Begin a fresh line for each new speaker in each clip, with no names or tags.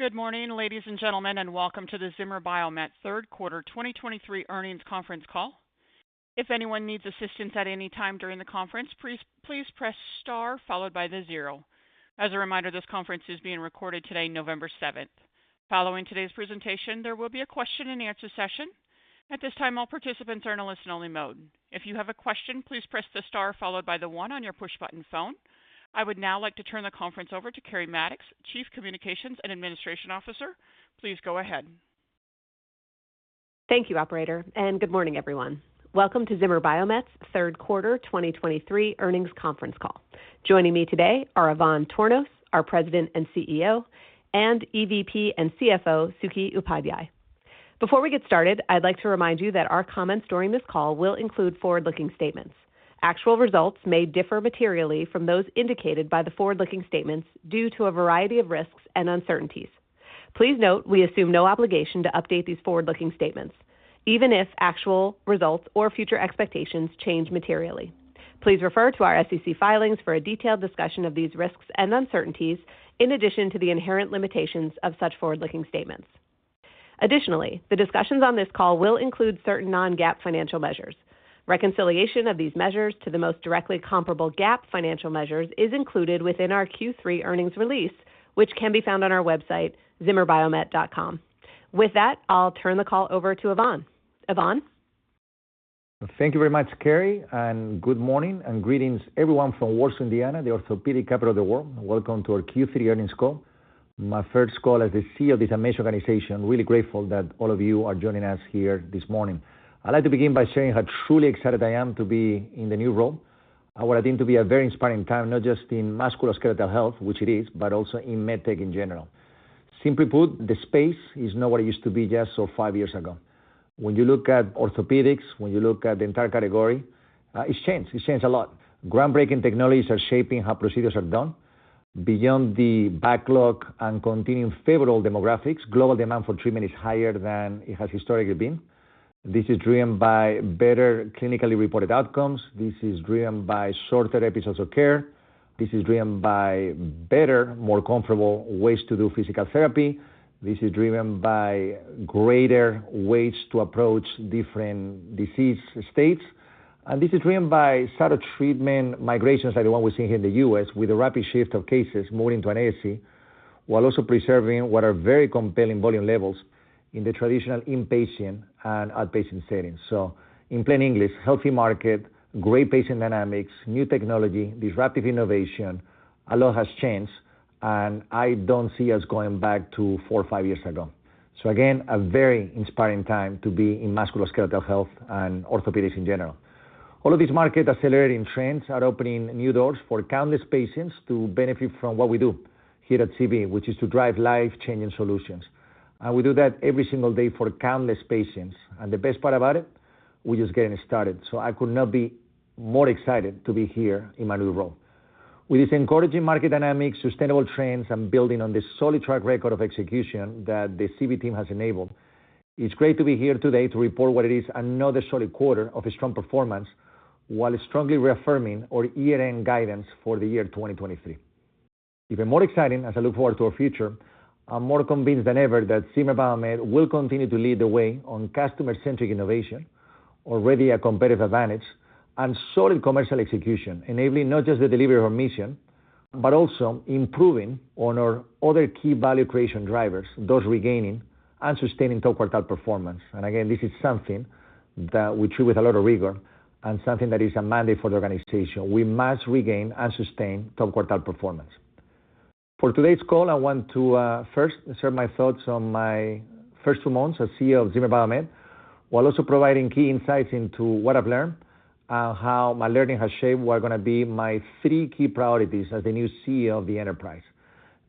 Good morning, ladies and gentlemen, and welcome to the Zimmer Biomet Third Quarter 2023 Earnings Conference Call. If anyone needs assistance at any time during the conference, please, please press star followed by the zero. As a reminder, this conference is being recorded today, November 7th. Following today's presentation, there will be a question-and-answer session. At this time, all participants are in a listen-only mode. If you have a question, please press the star followed by the one on your push-button phone. I would now like to turn the conference over to Keri Mattox, Chief Communications and Administration Officer. Please go ahead.
Thank you, operator, and good morning, everyone. Welcome to Zimmer Biomet's Third Quarter 2023 Earnings Conference Call. Joining me today are Ivan Tornos, our President and CEO, and EVP and CFO, Suky Upadhyay. Before we get started, I'd like to remind you that our comments during this call will include forward-looking statements. Actual results may differ materially from those indicated by the forward-looking statements due to a variety of risks and uncertainties. Please note, we assume no obligation to update these forward-looking statements, even if actual results or future expectations change materially. Please refer to our SEC filings for a detailed discussion of these risks and uncertainties, in addition to the inherent limitations of such forward-looking statements. Additionally, the discussions on this call will include certain non-GAAP financial measures. Reconciliation of these measures to the most directly comparable GAAP financial measures is included within our Q3 earnings release, which can be found on our website, ZimmerBiomet.com. With that, I'll turn the call over to Ivan. Ivan?
Thank you very much, Keri, and good morning, and greetings, everyone from Warsaw, Indiana, the orthopedic capital of the world. Welcome to our Q3 earnings call, my first call as the CEO of this amazing organization. Really grateful that all of you are joining us here this morning. I'd like to begin by sharing how truly excited I am to be in the new role, and what I think to be a very inspiring time, not just in musculoskeletal health, which it is, but also in med tech in general. Simply put, the space is not what it used to be just so five years ago. When you look at orthopedics, when you look at the entire category, it's changed. It's changed a lot. Groundbreaking technologies are shaping how procedures are done. Beyond the backlog and continuing favorable demographics, global demand for treatment is higher than it has historically been. This is driven by better clinically reported outcomes. This is driven by shorter episodes of care. This is driven by better, more comfortable ways to do physical therapy. This is driven by greater ways to approach different disease states, and this is driven by sort of treatment migrations, like the one we're seeing here in the U.S, with a rapid shift of cases moving to an ASC, while also preserving what are very compelling volume levels in the traditional inpatient and outpatient settings. So in plain English, healthy market, great patient dynamics, new technology, disruptive innovation. A lot has changed, and I don't see us going back to four or five years ago. So again, a very inspiring time to be in musculoskeletal health and orthopedics in general. All of these market accelerating trends are opening new doors for countless patients to benefit from what we do here at Zimmer Biomet, which is to drive life-changing solutions, and we do that every single day for countless patients. The best part about it, we're just getting started, so I could not be more excited to be here in my new role. With these encouraging market dynamics, sustainable trends, and building on the solid track record of execution that the Zimmer Biomet team has enabled, it's great to be here today to report what it is, another solid quarter of a strong performance, while strongly reaffirming our year-end guidance for the year 2023. Even more exciting, as I look forward to our future, I'm more convinced than ever that Zimmer Biomet will continue to lead the way on customer-centric innovation, already a competitive advantage and solid commercial execution, enabling not just the delivery of our mission, but also improving on our other key value creation drivers, thus regaining and sustaining top quartile performance. And again, this is something that we treat with a lot of rigor and something that is a mandate for the organization. We must regain and sustain top quartile performance. For today's call, I want to first share my thoughts on my first two months as CEO of Zimmer Biomet, while also providing key insights into what I've learned and how my learning has shaped what are going to be my three key priorities as the new CEO of the enterprise.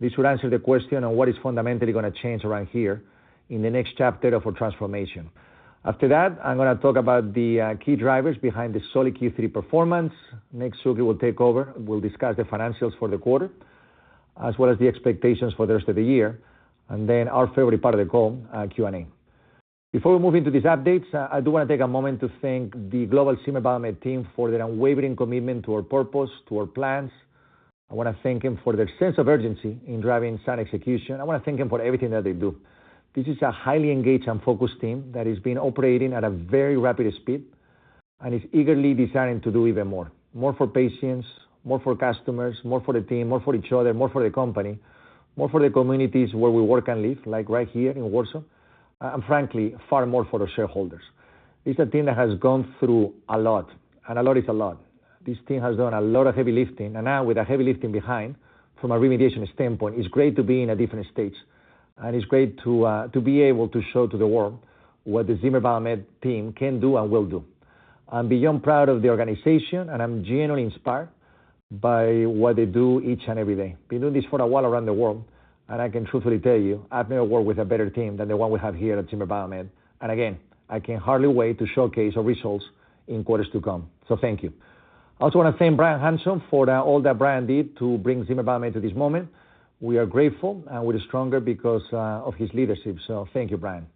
This would answer the question on what is fundamentally going to change around here in the next chapter of our transformation. After that, I'm going to talk about the key drivers behind the solid Q3 performance. Next, Suky will take over. We'll discuss the financials for the quarter, as well as the expectations for the rest of the year, and then our favorite part of the call, Q&A. Before we move into these updates, I do want to take a moment to thank the global Zimmer Biomet team for their unwavering commitment to our purpose, to our plans. I want to thank them for their sense of urgency in driving sound execution. I want to thank them for everything that they do. This is a highly engaged and focused team that has been operating at a very rapid speed and is eagerly desiring to do even more. More for patients, more for customers, more for the team, more for each other, more for the company, more for the communities where we work and live, like right here in Warsaw, and frankly, far more for our shareholders. It's a team that has gone through a lot, and a lot is a lot. This team has done a lot of heavy lifting, and now with the heavy lifting behind, from a remediation standpoint, it's great to be in a different stage, and it's great to to be able to show to the world what the Zimmer Biomet team can do and will do. I'm beyond proud of the organization, and I'm genuinely inspired by what they do each and every day. Been doing this for a while around the world, and I can truthfully tell you, I've never worked with a better team than the one we have here at Zimmer Biomet. Again, I can hardly wait to showcase our results in quarters to come, so thank you. I also want to thank Bryan Hanson for all that Bryan did to bring Zimmer Biomet to this moment. We are grateful, and we're stronger because of his leadership, so thank you, Bryan.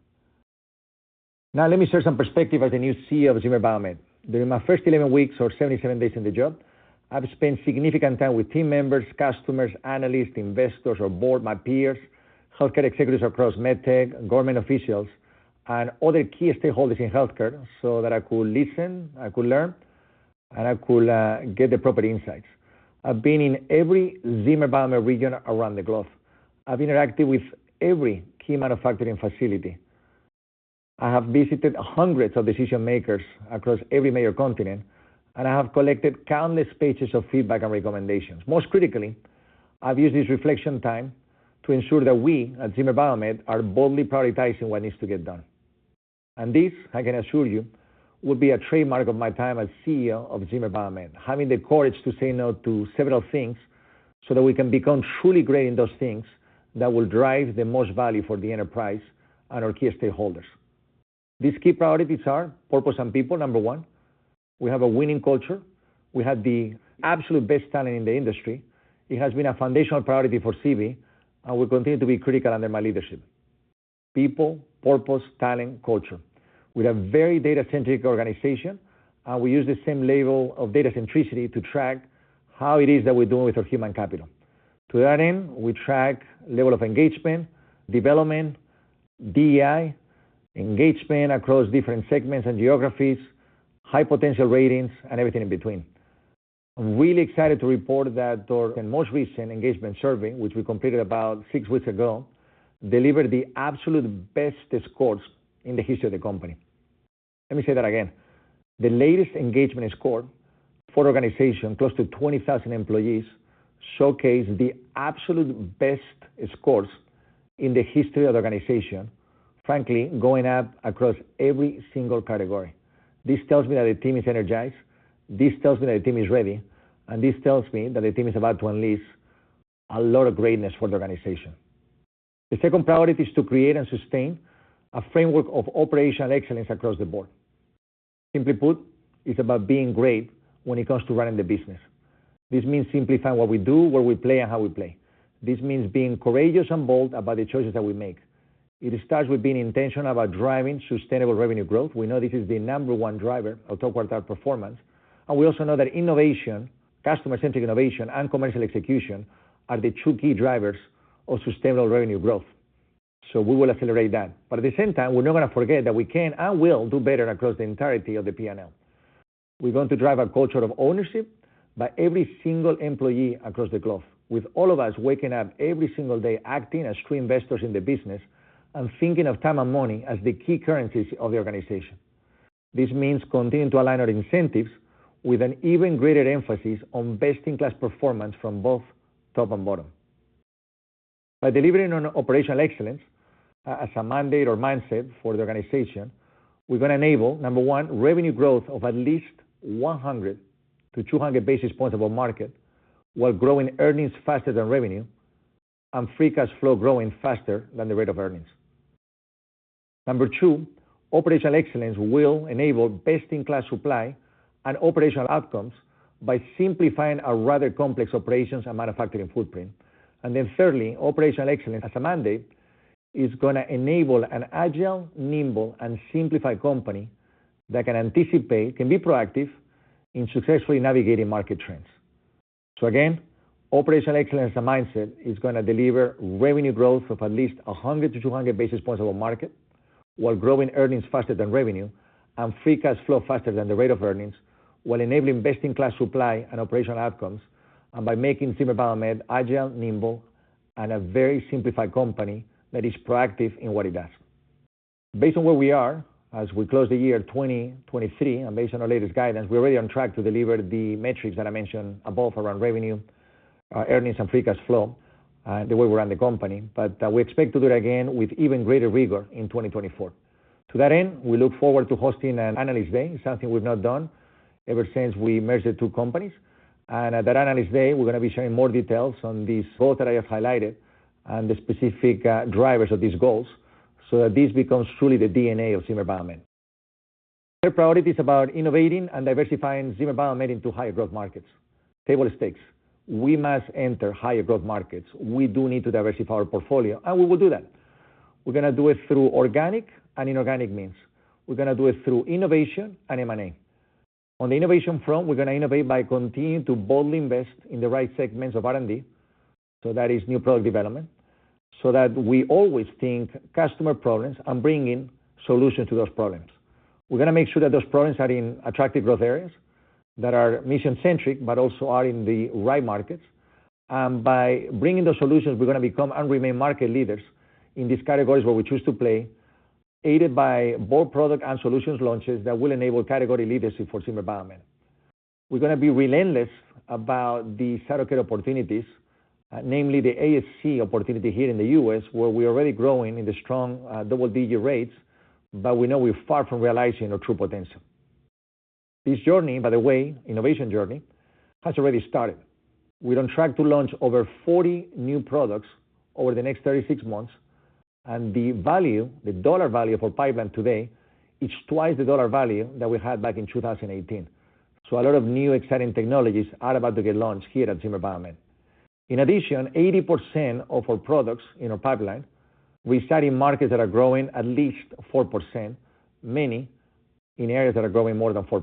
Now let me share some perspective as the new CEO of Zimmer Biomet. During my first 11 weeks or 77 days in the job, I've spent significant time with team members, customers, analysts, investors, our board, my peers, healthcare executives across med tech, government officials, and other key stakeholders in healthcare, so that I could listen, I could learn, and I could get the proper insights. I've been in every Zimmer Biomet region around the globe. I've interacted with every key manufacturing facility. I have visited hundreds of decision-makers across every major continent, and I have collected countless pages of feedback and recommendations. Most critically, I've used this reflection time to ensure that we, at Zimmer Biomet, are boldly prioritizing what needs to get done. And this, I can assure you, will be a trademark of my time as CEO of Zimmer Biomet, having the courage to say no to several things so that we can become truly great in those things that will drive the most value for the enterprise and our key stakeholders. These key priorities are: purpose and people, number one. We have a winning culture. We have the absolute best talent in the industry. It has been a foundational priority for CB, and will continue to be critical under my leadership. People, purpose, talent, culture. We're a very data-centric organization, and we use the same level of data centricity to track how it is that we're doing with our human capital. To that end, we track level of engagement, development, DEI, engagement across different segments and geographies, high-potential ratings, and everything in between. I'm really excited to report that our, in most recent engagement survey, which we completed about six weeks ago, delivered the absolute best scores in the history of the company. Let me say that again. The latest engagement score for organization, close to 20,000 employees, showcased the absolute best scores in the history of the organization, frankly, going up across every single category. This tells me that the team is energized, this tells me that the team is ready, and this tells me that the team is about to unleash a lot of greatness for the organization. The second priority is to create and sustain a framework of operational excellence across the board. Simply put, it's about being great when it comes to running the business. This means simplifying what we do, where we play, and how we play. This means being courageous and bold about the choices that we make. It starts with being intentional about driving sustainable revenue growth. We know this is the number one driver of top-quartile performance, and we also know that innovation, customer-centric innovation, and commercial execution are the two key drivers of sustainable revenue growth, so we will accelerate that. But at the same time, we're not gonna forget that we can and will do better across the entirety of the P&L. We're going to drive a culture of ownership by every single employee across the globe, with all of us waking up every single day, acting as true investors in the business and thinking of time and money as the key currencies of the organization. This means continuing to align our incentives with an even greater emphasis on best-in-class performance from both top and bottom. By delivering on operational excellence as a mandate or mindset for the organization, we're gonna enable, number one, revenue growth of at least 100-200 basis points above market, while growing earnings faster than revenue, and free cash flow growing faster than the rate of earnings. Number two, operational excellence will enable best-in-class supply and operational outcomes by simplifying our rather complex operations and manufacturing footprint. And then thirdly, operational excellence as a mandate is gonna enable an agile, nimble, and simplified company that can anticipate, can be proactive in successfully navigating market trends. So again, operational excellence as a mindset is gonna deliver revenue growth of at least 100-200 basis points above market, while growing earnings faster than revenue and free cash flow faster than the rate of earnings, while enabling best-in-class supply and operational outcomes, and by making Zimmer Biomet agile, nimble, and a very simplified company that is proactive in what it does. Based on where we are as we close the year 2023, and based on our latest guidance, we're already on track to deliver the metrics that I mentioned above around revenue, earnings, and Free Cash Flow, the way we run the company, but, we expect to do it again with even greater rigor in 2024. To that end, we look forward to hosting an analyst day, something we've not done ever since we merged the two companies, and at that analyst day, we're gonna be sharing more details on these goals that I have highlighted and the specific, drivers of these goals, so that this becomes truly the DNA of Zimmer Biomet. Third priority is about innovating and diversifying Zimmer Biomet into higher growth markets. Table stakes, we must enter higher growth markets. We do need to diversify our portfolio, and we will do that. We're gonna do it through organic and inorganic means. We're gonna do it through innovation and M&A. On the innovation front, we're gonna innovate by continuing to boldly invest in the right segments of R&D, so that is new product development, so that we always think customer problems and bringing solutions to those problems. We're gonna make sure that those problems are in attractive growth areas, that are mission-centric, but also are in the right markets. By bringing those solutions, we're gonna become and remain market leaders in these categories where we choose to play, aided by both product and solutions launches that will enable category leadership for Zimmer Biomet. We're gonna be relentless about the surgical opportunities, namely the ASC opportunity here in the U.S., where we are already growing in the strong, double-digit rates, but we know we're far from realizing our true potential. This journey, by the way, innovation journey, has already started. We're on track to launch over 40 new products over the next 36 months, and the value, the dollar value of our pipeline today, is twice the dollar value that we had back in 2018. So a lot of new exciting technologies are about to get launched here at Zimmer Biomet. In addition, 80% of our products in our pipeline, we study markets that are growing at least 4%, many in areas that are growing more than 4%.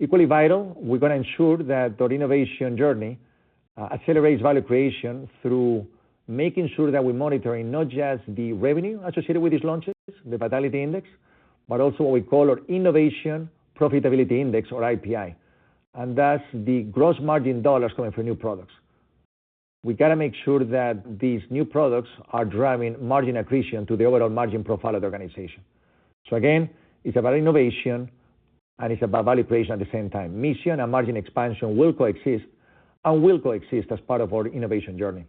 Equally vital, we're gonna ensure that our innovation journey accelerates value creation through making sure that we're monitoring not just the revenue associated with these launches, the Vitality Index, but also what we call our Innovation Profitability Index or IPI, and that's the gross margin dollars coming from new products. We gotta make sure that these new products are driving margin accretion to the overall margin profile of the organization. So again, it's about innovation, and it's about value creation at the same time. Mission and margin expansion will coexist and will coexist as part of our innovation journey.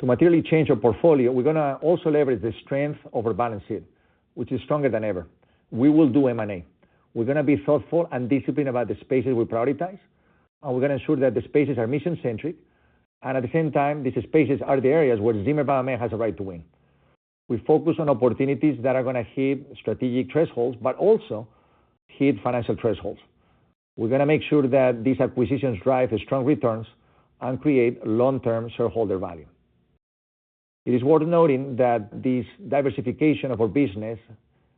To materially change our portfolio, we're gonna also leverage the strength of our balance sheet, which is stronger than ever. We will do M&A. We're gonna be thoughtful and disciplined about the spaces we prioritize, and we're gonna ensure that the spaces are mission-centric, and at the same time, these spaces are the areas where Zimmer Biomet has a right to win. We focus on opportunities that are gonna hit strategic thresholds, but also hit financial thresholds. We're gonna make sure that these acquisitions drive strong returns and create long-term shareholder value. It is worth noting that this diversification of our business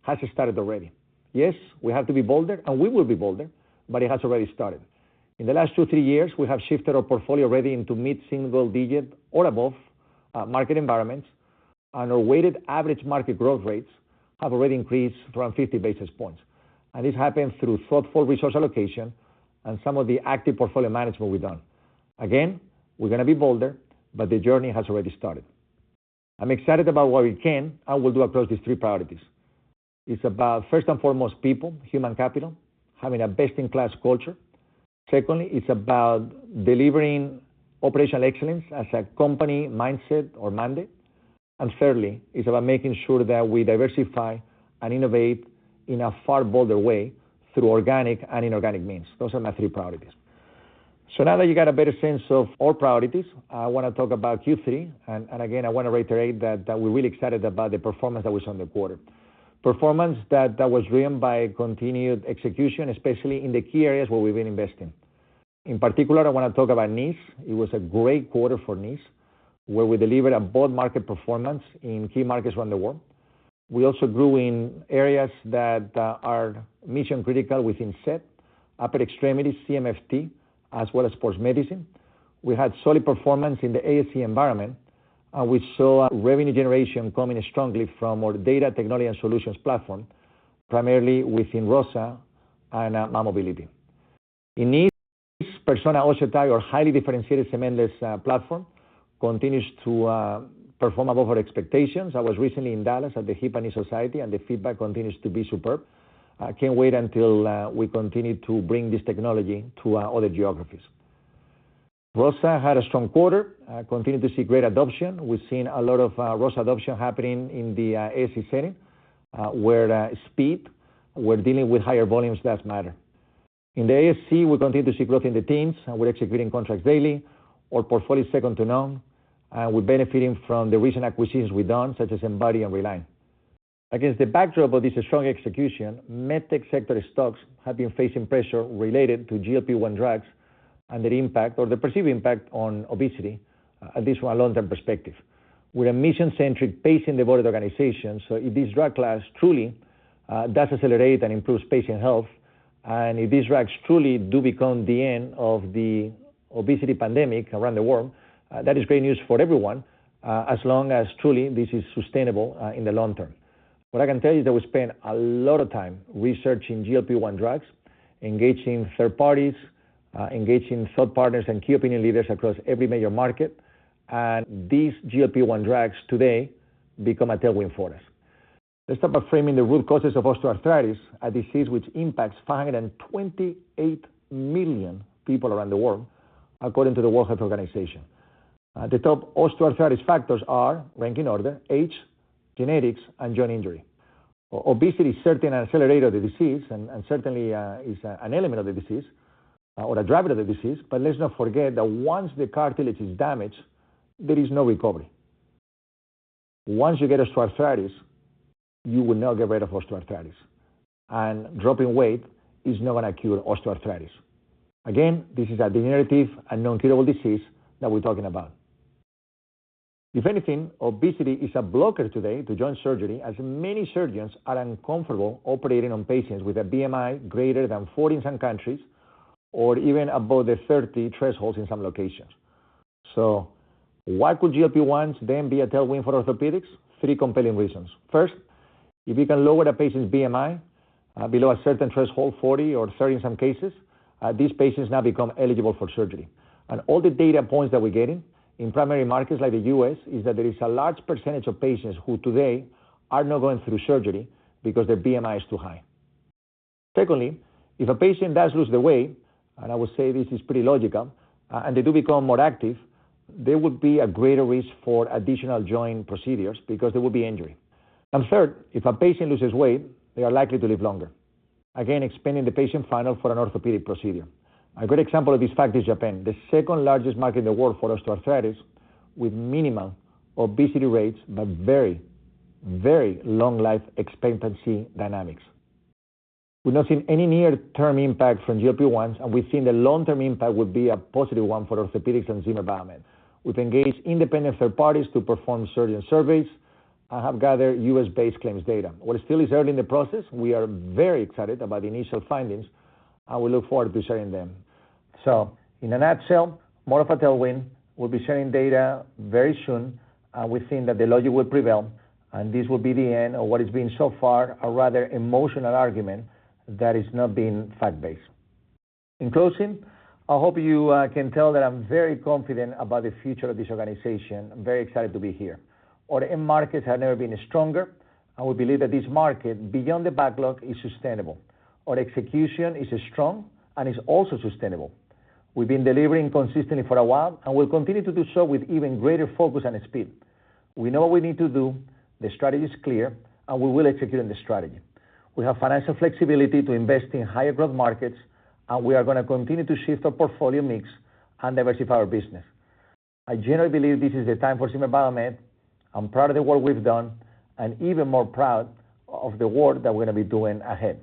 has started already. Yes, we have to be bolder, and we will be bolder, but it has already started. In the last 2-3 years, we have shifted our portfolio already into mid-single digit or above, market environments, and our weighted average market growth rates have already increased around 50 basis points. This happens through thoughtful resource allocation and some of the active portfolio management we've done. Again, we're gonna be bolder, but the journey has already started. I'm excited about what we can and will do across these three priorities. It's about, first and foremost, people, human capital, having a best-in-class culture. Secondly, it's about delivering operational excellence as a company mindset or mandate. And thirdly, it's about making sure that we diversify and innovate in a far bolder way through organic and inorganic means. Those are my three priorities. So now that you got a better sense of our priorities, I wanna talk about Q3, and, and again, I wanna reiterate that, that we're really excited about the performance that was on the quarter. Performance that, that was driven by continued execution, especially in the key areas where we've been investing. In particular, I wanna talk about knees. It was a great quarter for knees, where we delivered a bold market performance in key markets around the world. We also grew in areas that are mission-critical within SET, upper extremity, CMFT, as well as sports medicine. We had solid performance in the ASC environment, and we saw revenue generation coming strongly from our data technology and solutions platform, primarily within ROSA and mobility. In knee, Persona OsseoTi, our highly differentiated cementless platform, continues to perform above our expectations. I was recently in Dallas at the Hip and Knee Society, and the feedback continues to be superb. I can't wait until we continue to bring this technology to our other geographies. ROSA had a strong quarter, continued to see great adoption. We've seen a lot of ROSA adoption happening in the ASC setting, where speed, we're dealing with higher volumes does matter. In the ASC, we continue to see growth in the teams, and we're executing contracts daily. Our portfolio is second to none, and we're benefiting from the recent acquisitions we've done, such as Embody and Relign. Against the backdrop of this strong execution, med tech sector stocks have been facing pressure related to GLP-1 drugs and their impact or the perceived impact on obesity, at least from a long-term perspective. We're a mission-centric, patient-devoted organization, so if this drug class truly does accelerate and improves patient health, and if these drugs truly do become the end of the obesity pandemic around the world, that is great news for everyone, as long as truly this is sustainable in the long term. What I can tell you, that we spend a lot of time researching GLP-1 drugs, engaging third parties, engaging third partners and key opinion leaders across every major market, and these GLP-1 drugs today become a tailwind for us. Let's talk about framing the root causes of osteoarthritis, a disease which impacts 528 million people around the world, according to the World Health Organization. The top osteoarthritis factors are, ranking order, age, genetics, and joint injury. Obesity is certainly an accelerator of the disease and, and certainly, is a, an element of the disease, or a driver of the disease, but let's not forget that once the cartilage is damaged, there is no recovery. Once you get osteoarthritis, you will not get rid of osteoarthritis, and dropping weight is not gonna cure osteoarthritis. Again, this is a degenerative and non-curable disease that we're talking about. If anything, obesity is a blocker today to joint surgery, as many surgeons are uncomfortable operating on patients with a BMI greater than 40 in some countries or even above the 30 thresholds in some locations. So why could GLP-1s then be a tailwind for orthopedics? Three compelling reasons. First, if you can lower the patient's BMI below a certain threshold, 40 or 30 in some cases, these patients now become eligible for surgery. All the data points that we're getting in primary markets like the U.S. is that there is a large percentage of patients who today are not going through surgery because their BMI is too high. Secondly, if a patient does lose the weight, and I would say this is pretty logical, and they do become more active, there would be a greater risk for additional joint procedures because there will be injury. And third, if a patient loses weight, they are likely to live longer, again, expanding the patient funnel for an orthopedic procedure. A good example of this fact is Japan, the second-largest market in the world for osteoarthritis, with minimal obesity rates, but very, very long life expectancy dynamics. We've not seen any near-term impact from GLP-1, and we've seen the long-term impact would be a positive one for orthopedics and Zimmer Biomet. We've engaged independent third parties to perform surgeon surveys and have gathered U.S.-based claims data. While it still is early in the process, we are very excited about the initial findings, and we look forward to sharing them. So in a nutshell, more of a tailwind. We'll be sharing data very soon, and we've seen that the logic will prevail, and this will be the end of what has been, so far, a rather emotional argument that has not been fact-based. In closing, I hope you can tell that I'm very confident about the future of this organization. I'm very excited to be here. Our end markets have never been stronger, and we believe that this market, beyond the backlog, is sustainable. Our execution is strong and is also sustainable. We've been delivering consistently for a while, and we'll continue to do so with even greater focus and speed. We know what we need to do, the strategy is clear, and we will execute on the strategy. We have financial flexibility to invest in higher growth markets, and we are going to continue to shift our portfolio mix and diversify our business. I generally believe this is the time for Zimmer Biomet. I'm proud of the work we've done and even more proud of the work that we're going to be doing ahead.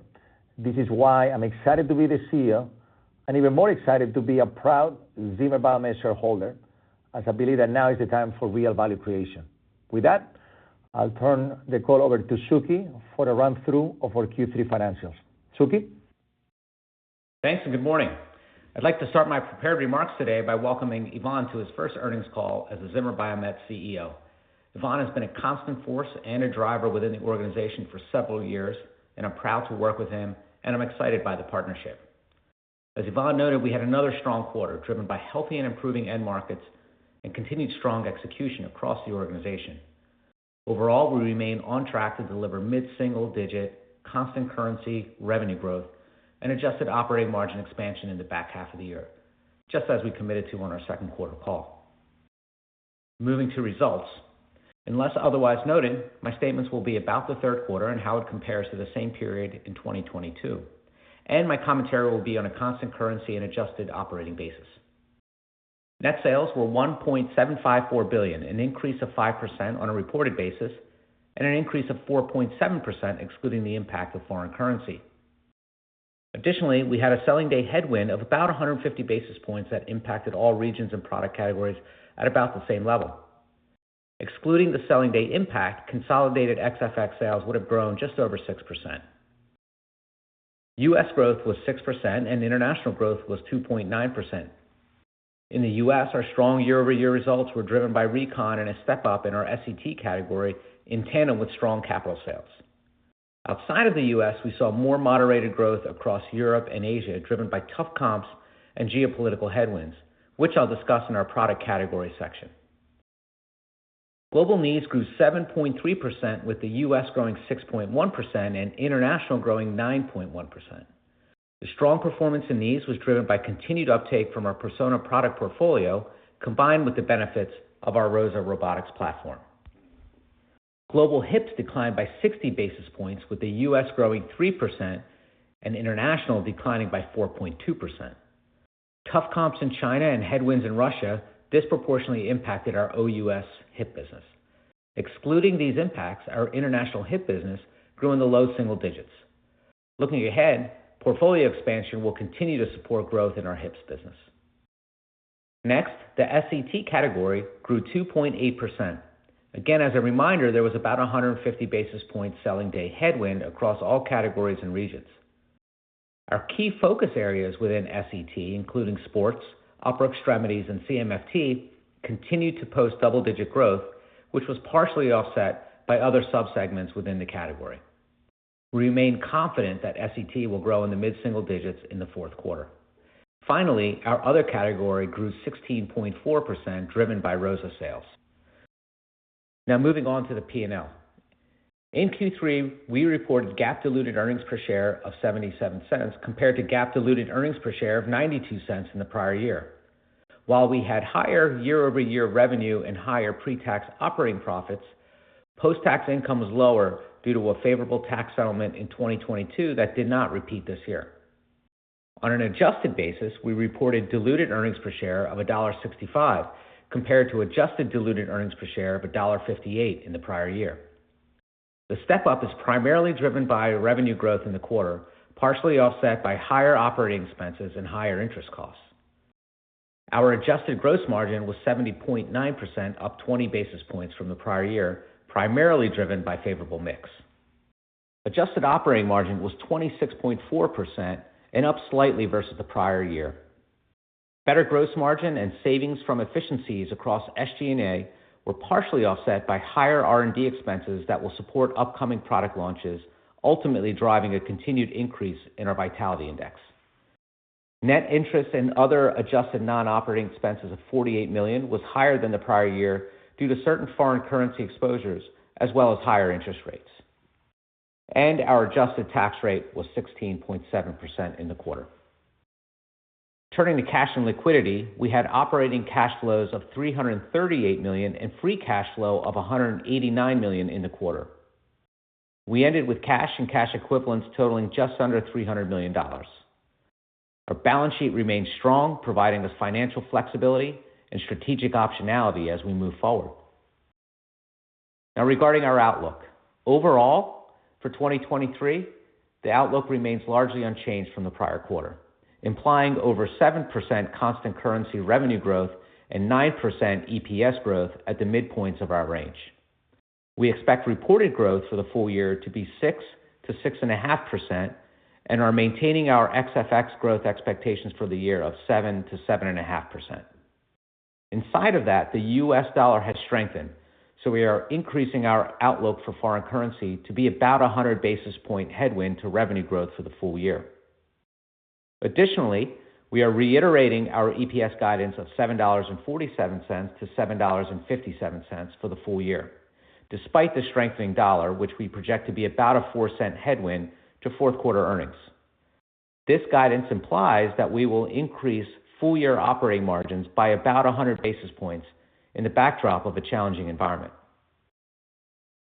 This is why I'm excited to be the CEO and even more excited to be a proud Zimmer Biomet shareholder, as I believe that now is the time for real value creation. With that, I'll turn the call over to Suky for a run-through of our Q3 financials. Suky?
Thanks, and good morning. I'd like to start my prepared remarks today by welcoming Ivan to his first earnings call as the Zimmer Biomet CEO. Ivan has been a constant force and a driver within the organization for several years, and I'm proud to work with him, and I'm excited by the partnership. As Ivan noted, we had another strong quarter, driven by healthy and improving end markets and continued strong execution across the organization. Overall, we remain on track to deliver mid-single digit, constant currency, revenue growth and adjusted operating margin expansion in the back half of the year, just as we committed to on our second quarter call. Moving to results, unless otherwise noted, my statements will be about the third quarter and how it compares to the same period in 2022, and my commentary will be on a constant currency and adjusted operating basis. Net sales were $1.754 billion, an increase of 5% on a reported basis and an increase of 4.7%, excluding the impact of foreign currency. Additionally, we had a selling day headwind of about 150 basis points that impacted all regions and product categories at about the same level. Excluding the selling day impact, consolidated ex-FX sales would have grown just over 6%. U.S. growth was 6%, and international growth was 2.9%. In the U.S., our strong year-over-year results were driven by recon and a step-up in our SET category in tandem with strong capital sales. Outside of the U.S., we saw more moderated growth across Europe and Asia, driven by tough comps and geopolitical headwinds, which I'll discuss in our product category section. Global knees grew 7.3%, with the U.S. growing 6.1% and international growing 9.1%. The strong performance in knees was driven by continued uptake from our Persona product portfolio, combined with the benefits of our ROSA Robotics platform. Global hips declined by 60 basis points, with the U.S. growing 3% and international declining by 4.2%. Tough comps in China and headwinds in Russia disproportionately impacted our OUS hip business. Excluding these impacts, our international hip business grew in the low single digits. Looking ahead, portfolio expansion will continue to support growth in our hips business. Next, the SET category grew 2.8%. Again, as a reminder, there was about 150 basis point selling day headwind across all categories and regions. Our key focus areas within SET, including sports, upper extremities, and CMFT, continued to post double-digit growth, which was partially offset by other subsegments within the category. We remain confident that SET will grow in the mid-single digits in the fourth quarter. Finally, our other category grew 16.4%, driven by ROSA sales. Now moving on to the P&L. In Q3, we reported GAAP diluted earnings per share of $0.77, compared to GAAP diluted earnings per share of $0.92 in the prior year. While we had higher year-over-year revenue and higher pre-tax operating profits, post-tax income was lower due to a favorable tax settlement in 2022 that did not repeat this year. On an adjusted basis, we reported diluted earnings per share of $1.65, compared to adjusted diluted earnings per share of $1.58 in the prior year. The step-up is primarily driven by revenue growth in the quarter, partially offset by higher operating expenses and higher interest costs. Our adjusted gross margin was 70.9%, up 20 basis points from the prior year, primarily driven by favorable mix. Adjusted operating margin was 26.4% and up slightly versus the prior year. Better gross margin and savings from efficiencies across SG&A were partially offset by higher R&D expenses that will support upcoming product launches, ultimately driving a continued increase in our Vitality Index. Net interest and other adjusted non-operating expenses of $48 million was higher than the prior year due to certain foreign currency exposures, as well as higher interest rates. Our adjusted tax rate was 16.7% in the quarter. Turning to cash and liquidity, we had operating cash flows of $338 million and free cash flow of $189 million in the quarter. We ended with cash and cash equivalents totaling just under $300 million. Our balance sheet remains strong, providing us financial flexibility and strategic optionality as we move forward. Now, regarding our outlook. Overall, for 2023, the outlook remains largely unchanged from the prior quarter, implying over 7% constant currency revenue growth and 9% EPS growth at the midpoints of our range. We expect reported growth for the full year to be 6%-6.5% and are maintaining our FX growth expectations for the year of 7%-7.5%. Inside of that, the US dollar has strengthened, so we are increasing our outlook for foreign currency to be about 100 basis point headwind to revenue growth for the full year. Additionally, we are reiterating our EPS guidance of $7.47-$7.57 for the full year, despite the strengthening dollar, which we project to be about a 4-cent headwind to fourth quarter earnings. This guidance implies that we will increase full year operating margins by about 100 basis points in the backdrop of a challenging environment.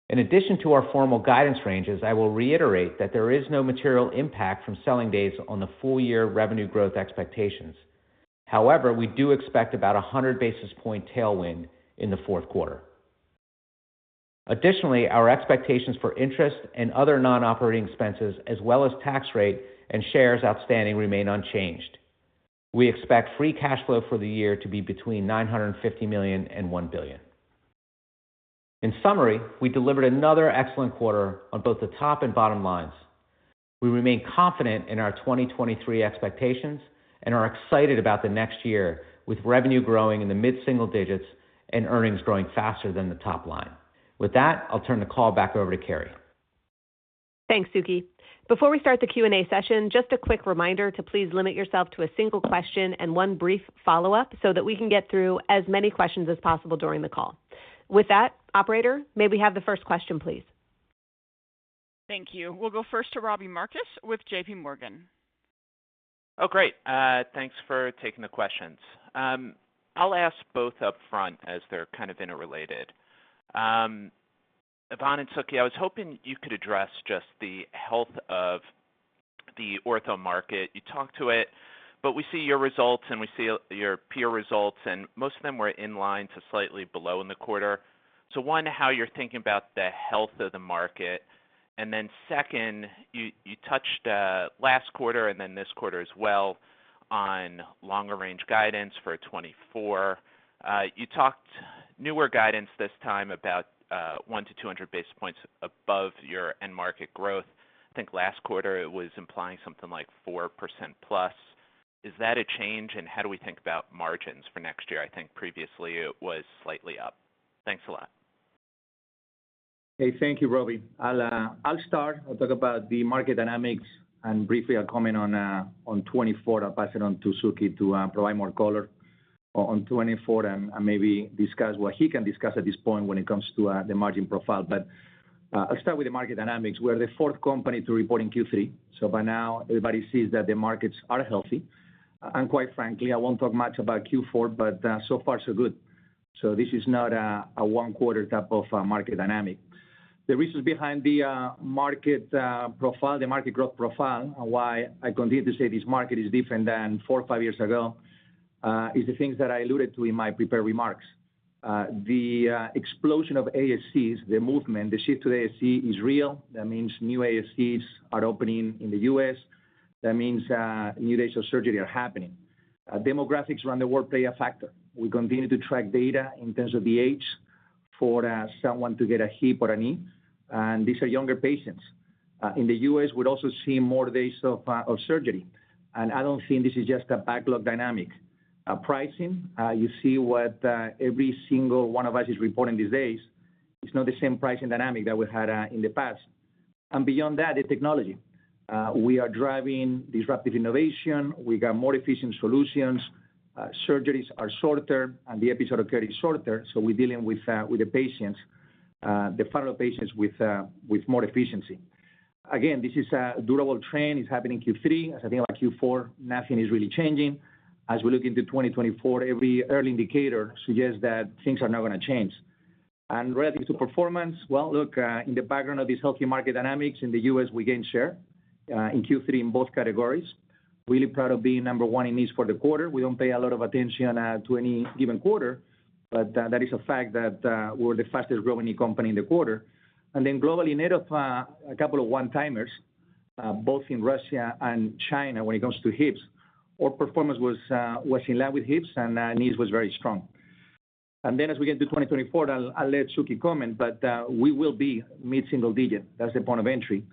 In addition to our formal guidance ranges, I will reiterate that there is no material impact from selling days on the full year revenue growth expectations. However, we do expect about 100 basis point tailwind in the fourth quarter. Additionally, our expectations for interest and other non-operating expenses, as well as tax rate and shares outstanding, remain unchanged. We expect free cash flow for the year to be between $950 million and $1 billion. In summary, we delivered another excellent quarter on both the top and bottom lines. We remain confident in our 2023 expectations and are excited about the next year, with revenue growing in the mid-single digits and earnings growing faster than the top line. With that, I'll turn the call back over to Keri.
Thanks, Suky. Before we start the Q&A session, just a quick reminder to please limit yourself to a single question and one brief follow-up so that we can get through as many questions as possible during the call. With that, operator, may we have the first question, please?
Thank you. We'll go first to Robbie Marcus with JPMorgan.
Oh, great. Thanks for taking the questions. I'll ask both upfront as they're kind of interrelated. Ivan and Suky, I was hoping you could address just the health of the ortho market. You talked to it, but we see your results, and we see your peer results, and most of them were in line to slightly below in the quarter. So one, how you're thinking about the health of the market. And then second, you touched last quarter and then this quarter as well, on longer range guidance for 2024. You talked newer guidance this time about 100-200 basis points above your end market growth. I think last quarter it was implying something like 4%+. Is that a change, and how do we think about margins for next year? I think previously it was slightly up. Thanks a lot.
Hey, thank you, Robbie. I'll start. I'll talk about the market dynamics and briefly, I'll comment on 2024. I'll pass it on to Suki to provide more color on 2024 and maybe discuss what he can discuss at this point when it comes to the margin profile. But I'll start with the market dynamics. We're the fourth company to report in Q3, so by now, everybody sees that the markets are healthy. And quite frankly, I won't talk much about Q4, but so far, so good. So this is not a one-quarter type of market dynamic. The reasons behind the market profile, the market growth profile, and why I continue to say this market is different than four or five years ago is the things that I alluded to in my prepared remarks. The explosion of ASCs, the movement, the shift to ASC is real. That means new ASCs are opening in the U.S. That means new days of surgery are happening. Demographics around the world play a factor. We continue to track data in terms of the age for someone to get a hip or a knee, and these are younger patients. In the U.S., we're also seeing more days of surgery, and I don't think this is just a backlog dynamic. Pricing, you see what every single one of us is reporting these days, it's not the same pricing dynamic that we had in the past. And beyond that, the technology. We are driving disruptive innovation. We got more efficient solutions, surgeries are shorter, and the episode of care is shorter, so we're dealing with, with the patients, the follow patients with, with more efficiency. Again, this is a durable trend. It's happening in Q3. As I think about Q4, nothing is really changing. As we look into 2024, every early indicator suggests that things are not going to change. Relative to performance, well, look, in the background of this healthy market dynamics in the U.S., we gained share, in Q3 in both categories. Really proud of being number one in knees for the quarter. We don't pay a lot of attention, to any given quarter, but, that is a fact that, we're the fastest-growing knee company in the quarter. Then globally, net of a couple of one-timers, both in Russia and China, when it goes to hips, our performance was in line with hips, and knees was very strong. Then as we get into 2024, I'll let Suky comment, but we will be mid-single digit. That's the point of entry.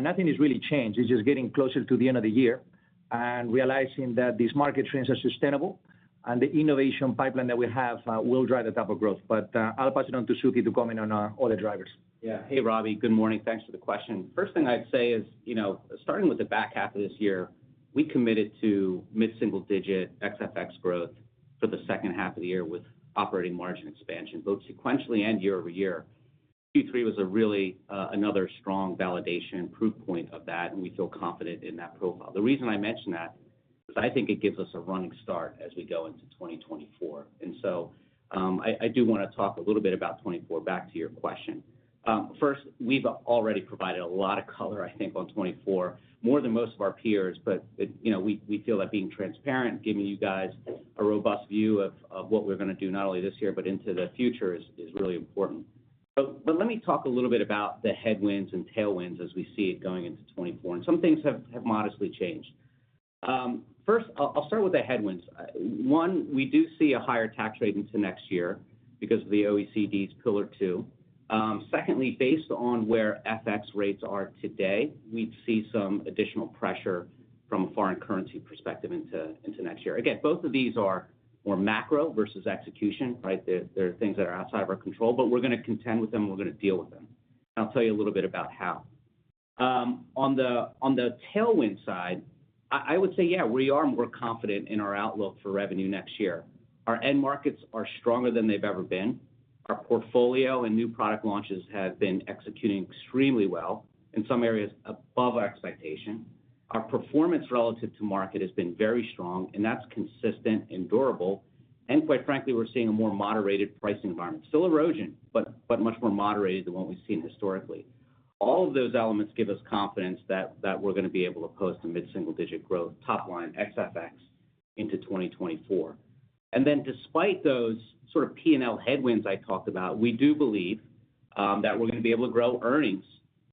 Nothing has really changed. It's just getting closer to the end of the year and realizing that these market trends are sustainable and the innovation pipeline that we have will drive the type of growth. But I'll pass it on to Suku to comment on all the drivers.
Yeah. Hey, Robbie, good morning. Thanks for the question. First thing I'd say is, you know, starting with the back half of this year, we committed to mid-single-digit XFX growth for the second half of the year with operating margin expansion, both sequentially and year-over-year. Q3 was a really, another strong validation and proof point of that, and we feel confident in that profile. The reason I mention that is I think it gives us a running start as we go into 2024. And so, I, I do want to talk a little bit about 2024, back to your question. First, we've already provided a lot of color, I think, on 2024, more than most of our peers. But, you know, we, we feel that being transparent, giving you guys a robust view of, of what we're going to do, not only this year but into the future, is, is really important. But, but let me talk a little bit about the headwinds and tailwinds as we see it going into 2024, and some things have, have modestly changed. First, I'll, I'll start with the headwinds. One, we do see a higher tax rate into next year because of the OECD's Pillar Two. Secondly, based on where FX rates are today, we'd see some additional pressure from a foreign currency perspective into, into next year. Again, both of these are more macro versus execution, right? They're, they're things that are outside of our control, but we're going to contend with them, and we're going to deal with them. I'll tell you a little bit about how. On the, on the tailwind side, I, I would say, yeah, we are more confident in our outlook for revenue next year. Our end markets are stronger than they've ever been. Our portfolio and new product launches have been executing extremely well, in some areas above our expectation. Our performance relative to market has been very strong, and that's consistent and durable. And quite frankly, we're seeing a more moderated pricing environment. Still erosion, but, but much more moderated than what we've seen historically. All of those elements give us confidence that, that we're going to be able to post a mid-single-digit growth top line ex FX into 2024. And then despite those sort of P&L headwinds I talked about, we do believe that we're going to be able to grow earnings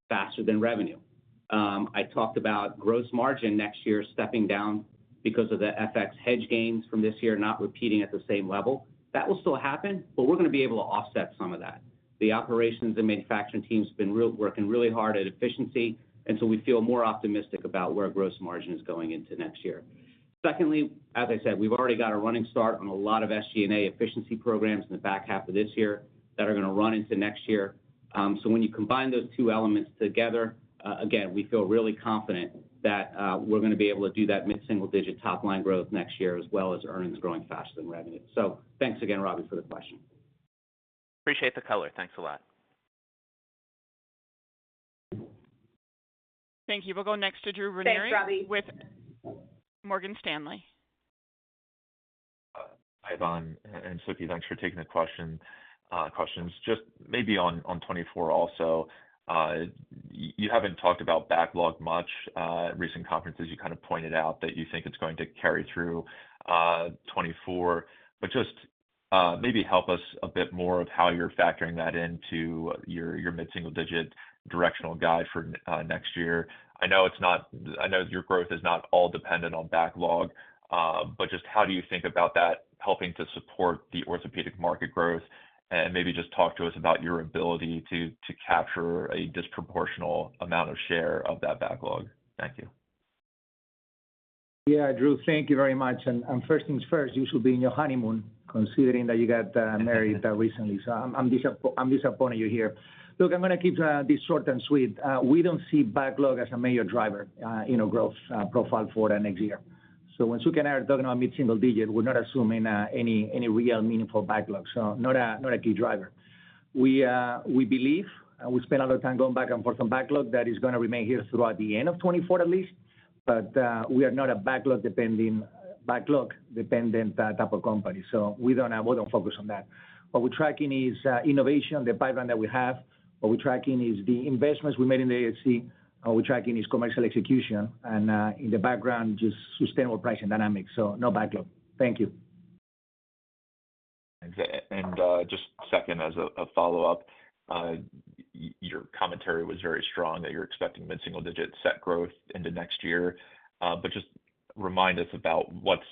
faster than revenue. I talked about gross margin next year stepping down because of the FX hedge gains from this year, not repeating at the same level. That will still happen, but we're going to be able to offset some of that. The operations and manufacturing teams have been working really hard at efficiency, and so we feel more optimistic about where our gross margin is going into next year. Secondly, as I said, we've already got a running start on a lot of SG&A efficiency programs in the back half of this year that are going to run into next year. So when you combine those two elements together, again, we feel really confident that we're going to be able to do that mid-single-digit top-line growth next year, as well as earnings growing faster than revenue. So thanks again, Robbie, for the question.
Appreciate the color. Thanks a lot.
Thank you. We'll go next to Drew Ranieri with Morgan Stanley.
Ivan and Suky, thanks for taking the question, questions. Just maybe on 2024 also. You haven't talked about backlog much. Recent conferences, you kind of pointed out that you think it's going to carry through 2024. But just maybe help us a bit more on how you're factoring that into your mid-single-digit directional guide for next year. I know it's not, I know your growth is not all dependent on backlog, but just how do you think about that helping to support the orthopedic market growth? And maybe just talk to us about your ability to capture a disproportionate amount of share of that backlog. Thank you.
Yeah, Drew, thank you very much. And first things first, you should be in your honeymoon, considering that you got married recently. So I'm disappointed you're here. Look, I'm going to keep this short and sweet. We don't see backlog as a major driver in our growth profile for the next year. So when Suky and I are talking about mid-single digit, we're not assuming any real meaningful backlog. So not a key driver. We believe, and we spend a lot of time going back and forth on backlog that is going to remain here throughout the end of 2024, at least. But we are not a backlog-dependent type of company, so we don't have—we don't focus on that. What we're tracking is innovation, the pipeline that we have. What we're tracking is the investments we made in the ASC, and we're tracking is commercial execution and, in the background, just sustainable pricing dynamics. So no backlog. Thank you.
Okay, and just a second, as a follow-up, your commentary was very strong, that you're expecting mid-single-digit SET growth into next year. But just remind us about what's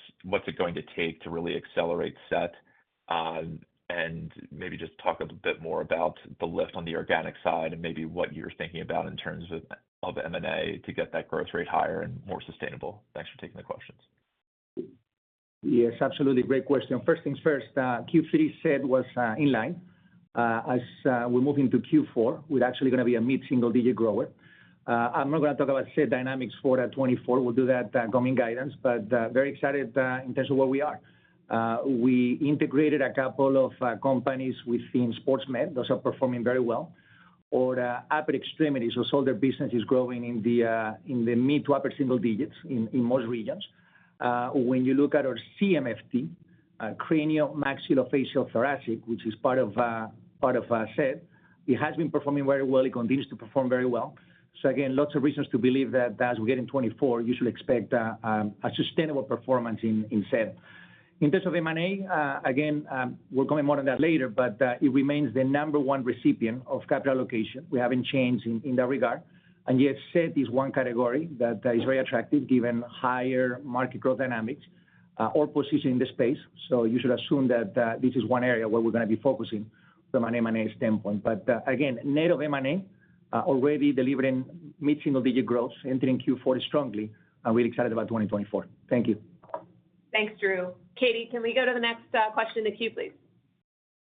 it going to take to really accelerate SET. And maybe just talk a bit more about the lift on the organic side and maybe what you're thinking about in terms of M&A to get that growth rate higher and more sustainable. Thanks for taking the questions.
Yes, absolutely. Great question. First things first, Q3 SET was in line. As we move into Q4, we're actually going to be a mid-single-digit grower. I'm not going to talk about SET dynamics for the 2024. We'll do that coming guidance, but very excited in terms of where we are. We integrated a couple of companies within Sportsmed. Those are performing very well. Our upper extremities, so solar business is growing in the mid- to upper-single-digits in most regions. When you look at our CMFT, cranial maxillofacial thoracic, which is part of SET, it has been performing very well. It continues to perform very well. So again, lots of reasons to believe that as we get in 2024, you should expect a sustainable performance in SET. In terms of M&A, again, we're going more on that later, but it remains the number one recipient of capital allocation. We haven't changed in that regard. And yet, SET is one category that is very attractive, given higher market growth dynamics or position in the space. So you should assume that this is one area where we're going to be focusing from an M&A standpoint. But again, native M&A already delivering mid-single digit growth, entering Q4 strongly, and we're excited about 2024. Thank you.
Thanks, Drew. Katie, can we go to the next question in queue, please?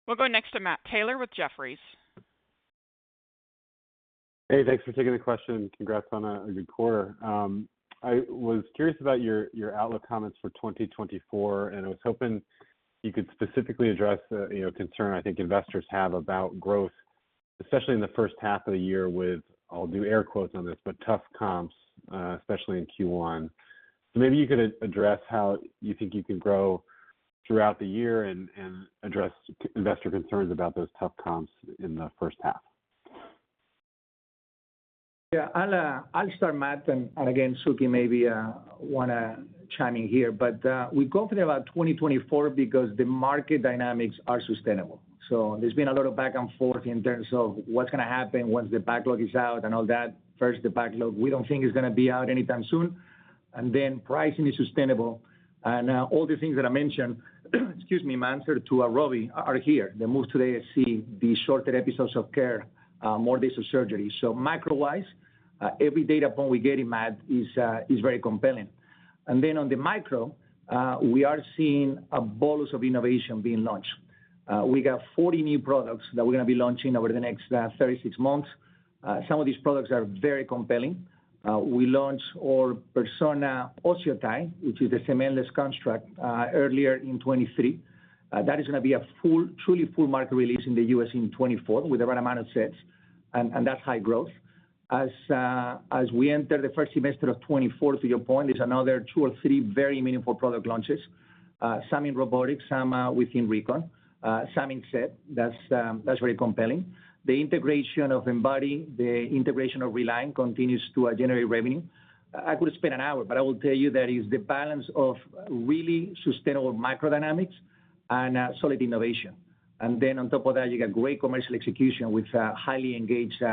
We'll go next to Matt Taylor with Jefferies.
Hey, thanks for taking the question, and congrats on a good quarter. I was curious about your outlook comments for 2024, and I was hoping you could specifically address, you know, concern I think investors have about growth, especially in the first half of the year with, I'll do air quotes on this, "but tough comps", especially in Q1. So maybe you could address how you think you can grow throughout the year and address investor concerns about those tough comps in the first half?
Yeah, I'll, I'll start, Matt, and, and again, Suky maybe, wanna chime in here. But, we're confident about 2024 because the market dynamics are sustainable. So there's been a lot of back and forth in terms of what's gonna happen once the backlog is out and all that. First, the backlog, we don't think is gonna be out anytime soon, and then pricing is sustainable. And, all the things that I mentioned, excuse me, my answer to, Robbie are here. The moves today see the shorter episodes of care, more days of surgery. So macro-wise, every data point we're getting, Matt, is, is very compelling. And then on the micro, we are seeing a bolus of innovation being launched. We got 40 new products that we're gonna be launching over the next, 36 months. Some of these products are very compelling. We launched our Persona OsseoTi, which is the cementless construct, earlier in 2023. That is gonna be a full, truly full market release in the U.S. in 2024, with the right amount of sets, and that's high growth. As we enter the first semester of 2024, to your point, there's another two or three very meaningful product launches, some in robotics, some within recon, some in set. That's very compelling. The integration of Embody, the integration of Reliant continues to generate revenue. I could spend an hour, but I will tell you that it's the balance of really sustainable microdynamics and solid innovation. And then on top of that, you got great commercial execution with a highly engaged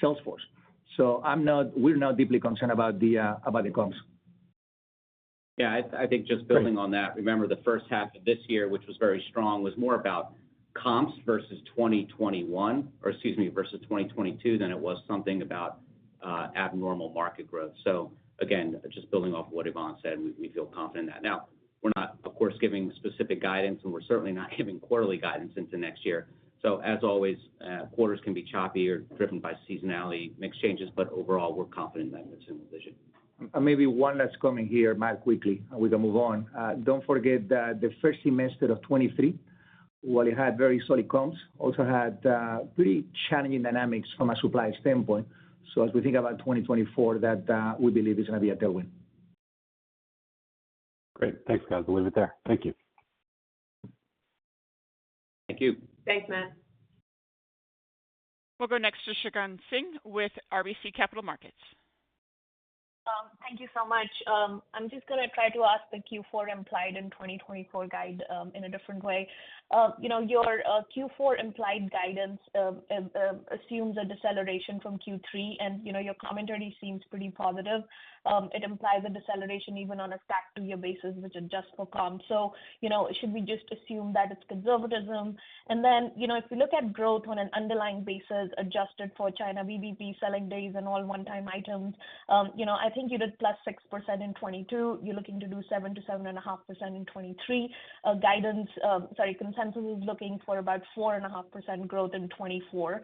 sales force. So I'm not - we're not deeply concerned about the comps.
Yeah, I think just building on that, remember, the first half of this year, which was very strong, was more about comps versus 2021, or excuse me, versus 2022 than it was something about abnormal market growth. So again, just building off what Ivan said, we feel confident in that. Now, we're not, of course, giving specific guidance, and we're certainly not giving quarterly guidance into next year. So as always, quarters can be choppy or driven by seasonality, mix changes, but overall, we're confident in that position.
Maybe one last comment here, Matt, quickly, and we can move on. Don't forget that the first semester of 2023, while it had very solid comps, also had pretty challenging dynamics from a supply standpoint. So as we think about 2024, that we believe is gonna be a tailwind.
Great. Thanks, guys. We'll leave it there. Thank you.
Thank you.
Thanks, Matt.
We'll go next to Shagun Singh with RBC Capital Markets.
Thank you so much. I'm just gonna try to ask the Q4 implied in 2024 guide in a different way. You know, your Q4 implied guidance assumes a deceleration from Q3, and, you know, your commentary seems pretty positive. It implies a deceleration even on an FX basis, which adjusts for comps. So, you know, should we just assume that it's conservatism? And then, you know, if you look at growth on an underlying basis, adjusted for China, VBP, selling days and all one-time items, you know, I think you did +6% in 2022. You're looking to do 7%-7.5% in 2023. Guidance, sorry, consensus is looking for about 4.5% growth in 2024.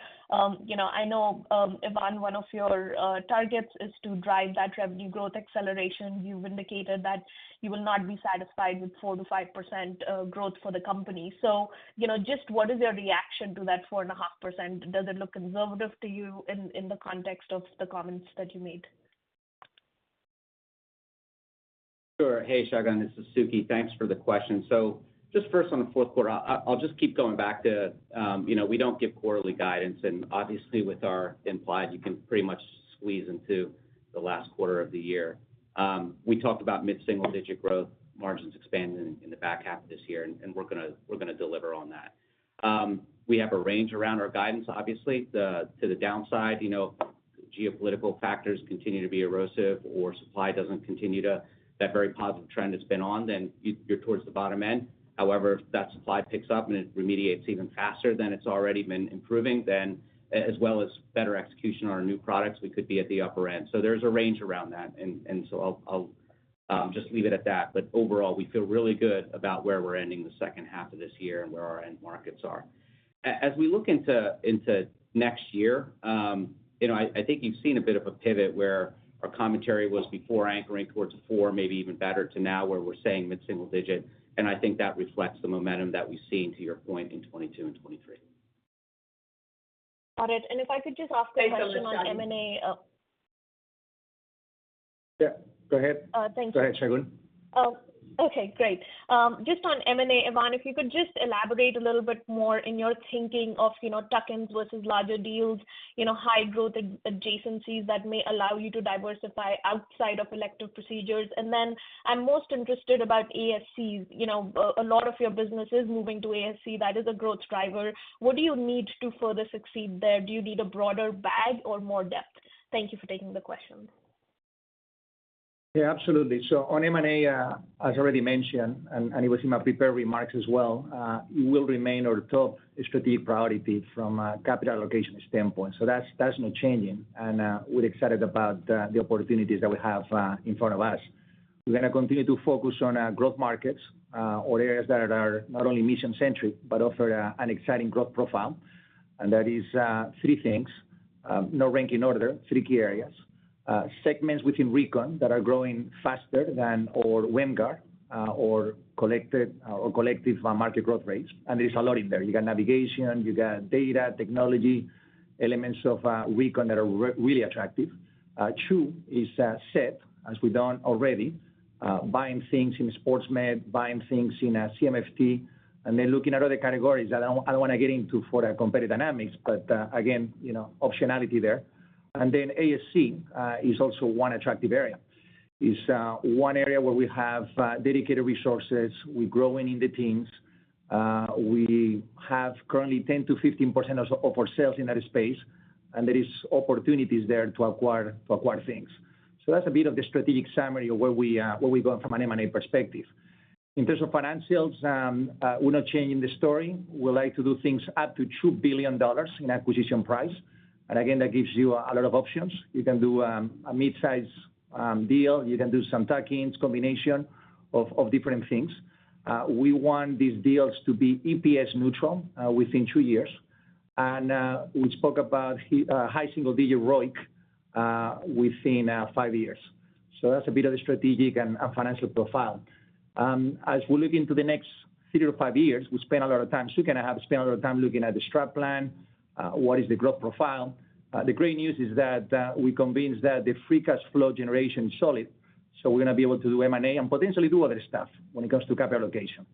You know, I know, Ivan, one of your targets is to drive that revenue growth acceleration. You've indicated that you will not be satisfied with 4%-5% growth for the company. So, you know, just what is your reaction to that 4.5%? Does it look conservative to you in the context of the comments that you made?
Sure. Hey, Shagun, this is Suky. Thanks for the question. So just first, on the fourth quarter, I, I'll just keep going back to, you know, we don't give quarterly guidance, and obviously, with our implied, you can pretty much squeeze into the last quarter of the year. We talked about mid-single-digit growth, margins expanding in the back half of this year, and, and we're gonna, we're gonna deliver on that. We have a range around our guidance, obviously. To the downside, you know, geopolitical factors continue to be erosive or supply doesn't continue to... That very positive trend it's been on, then you- you're towards the bottom end. However, if that supply picks up and it remediates even faster than it's already been improving, then as well as better execution on our new products, we could be at the upper end. So there's a range around that, and so I'll just leave it at that. But overall, we feel really good about where we're ending the second half of this year and where our end markets are. As we look into next year, you know, I think you've seen a bit of a pivot, where our commentary was before anchoring towards 4, maybe even better, to now, where we're saying mid-single digit. And I think that reflects the momentum that we've seen, to your point, in 2022 and 2023.
Got it. If I could just ask a question on M&A?
Yeah, go ahead.
Thank you.
Go ahead, Shagun.
Oh, okay, great. Just on M&A, Ivan, if you could just elaborate a little bit more in your thinking of, you know, tuck-ins versus larger deals, you know, high-growth adjacencies that may allow you to diversify outside of elective procedures. And then I'm most interested about ASCs. You know, a lot of your business is moving to ASC. That is a growth driver. What do you need to further succeed there? Do you need a broader bag or more depth? Thank you for taking the questions.
Yeah, absolutely. So on M&A, as already mentioned, and it was in my prepared remarks as well, it will remain our top strategic priority from a capital allocation standpoint. So that's not changing, and we're excited about the opportunities that we have in front of us. We're gonna continue to focus on growth markets or areas that are not only mission-centric, but offer an exciting growth profile. And that is three things: no ranking order, three key areas. Segments within Recon that are growing faster than the collective market growth rates, and there's a lot in there. You got navigation, you got data, technology, elements of Recon that are really attractive. Two is set, as we've done already, buying things in sports med, buying things in CMFT, and then looking at other categories that I don't, I don't want to get into for our competitive dynamics, but again, you know, optionality there. And then ASC is also one attractive area. It's one area where we have dedicated resources. We're growing in the teams. We have currently 10%-15% or so of our sales in that space, and there is opportunities there to acquire, to acquire things. So that's a bit of the strategic summary of where we are, where we're going from an M&A perspective. In terms of financials, we're not changing the story. We like to do things up to $2 billion in acquisition price. And again, that gives you a lot of options.
You can do a mid-size deal, you can do some tuck-ins, combination of different things. We want these deals to be EPS neutral within two years. And we spoke about high single-digit ROIC within five years. So that's a bit of the strategic and financial profile. As we look into the next 3-5 years, we spend a lot of time, Suky and I have spent a lot of time looking at the strat plan, what is the growth profile? The great news is that we're convinced that the free cash flow generation is solid, so we're going to be able to do M&A and potentially do other stuff when it comes to capital allocation.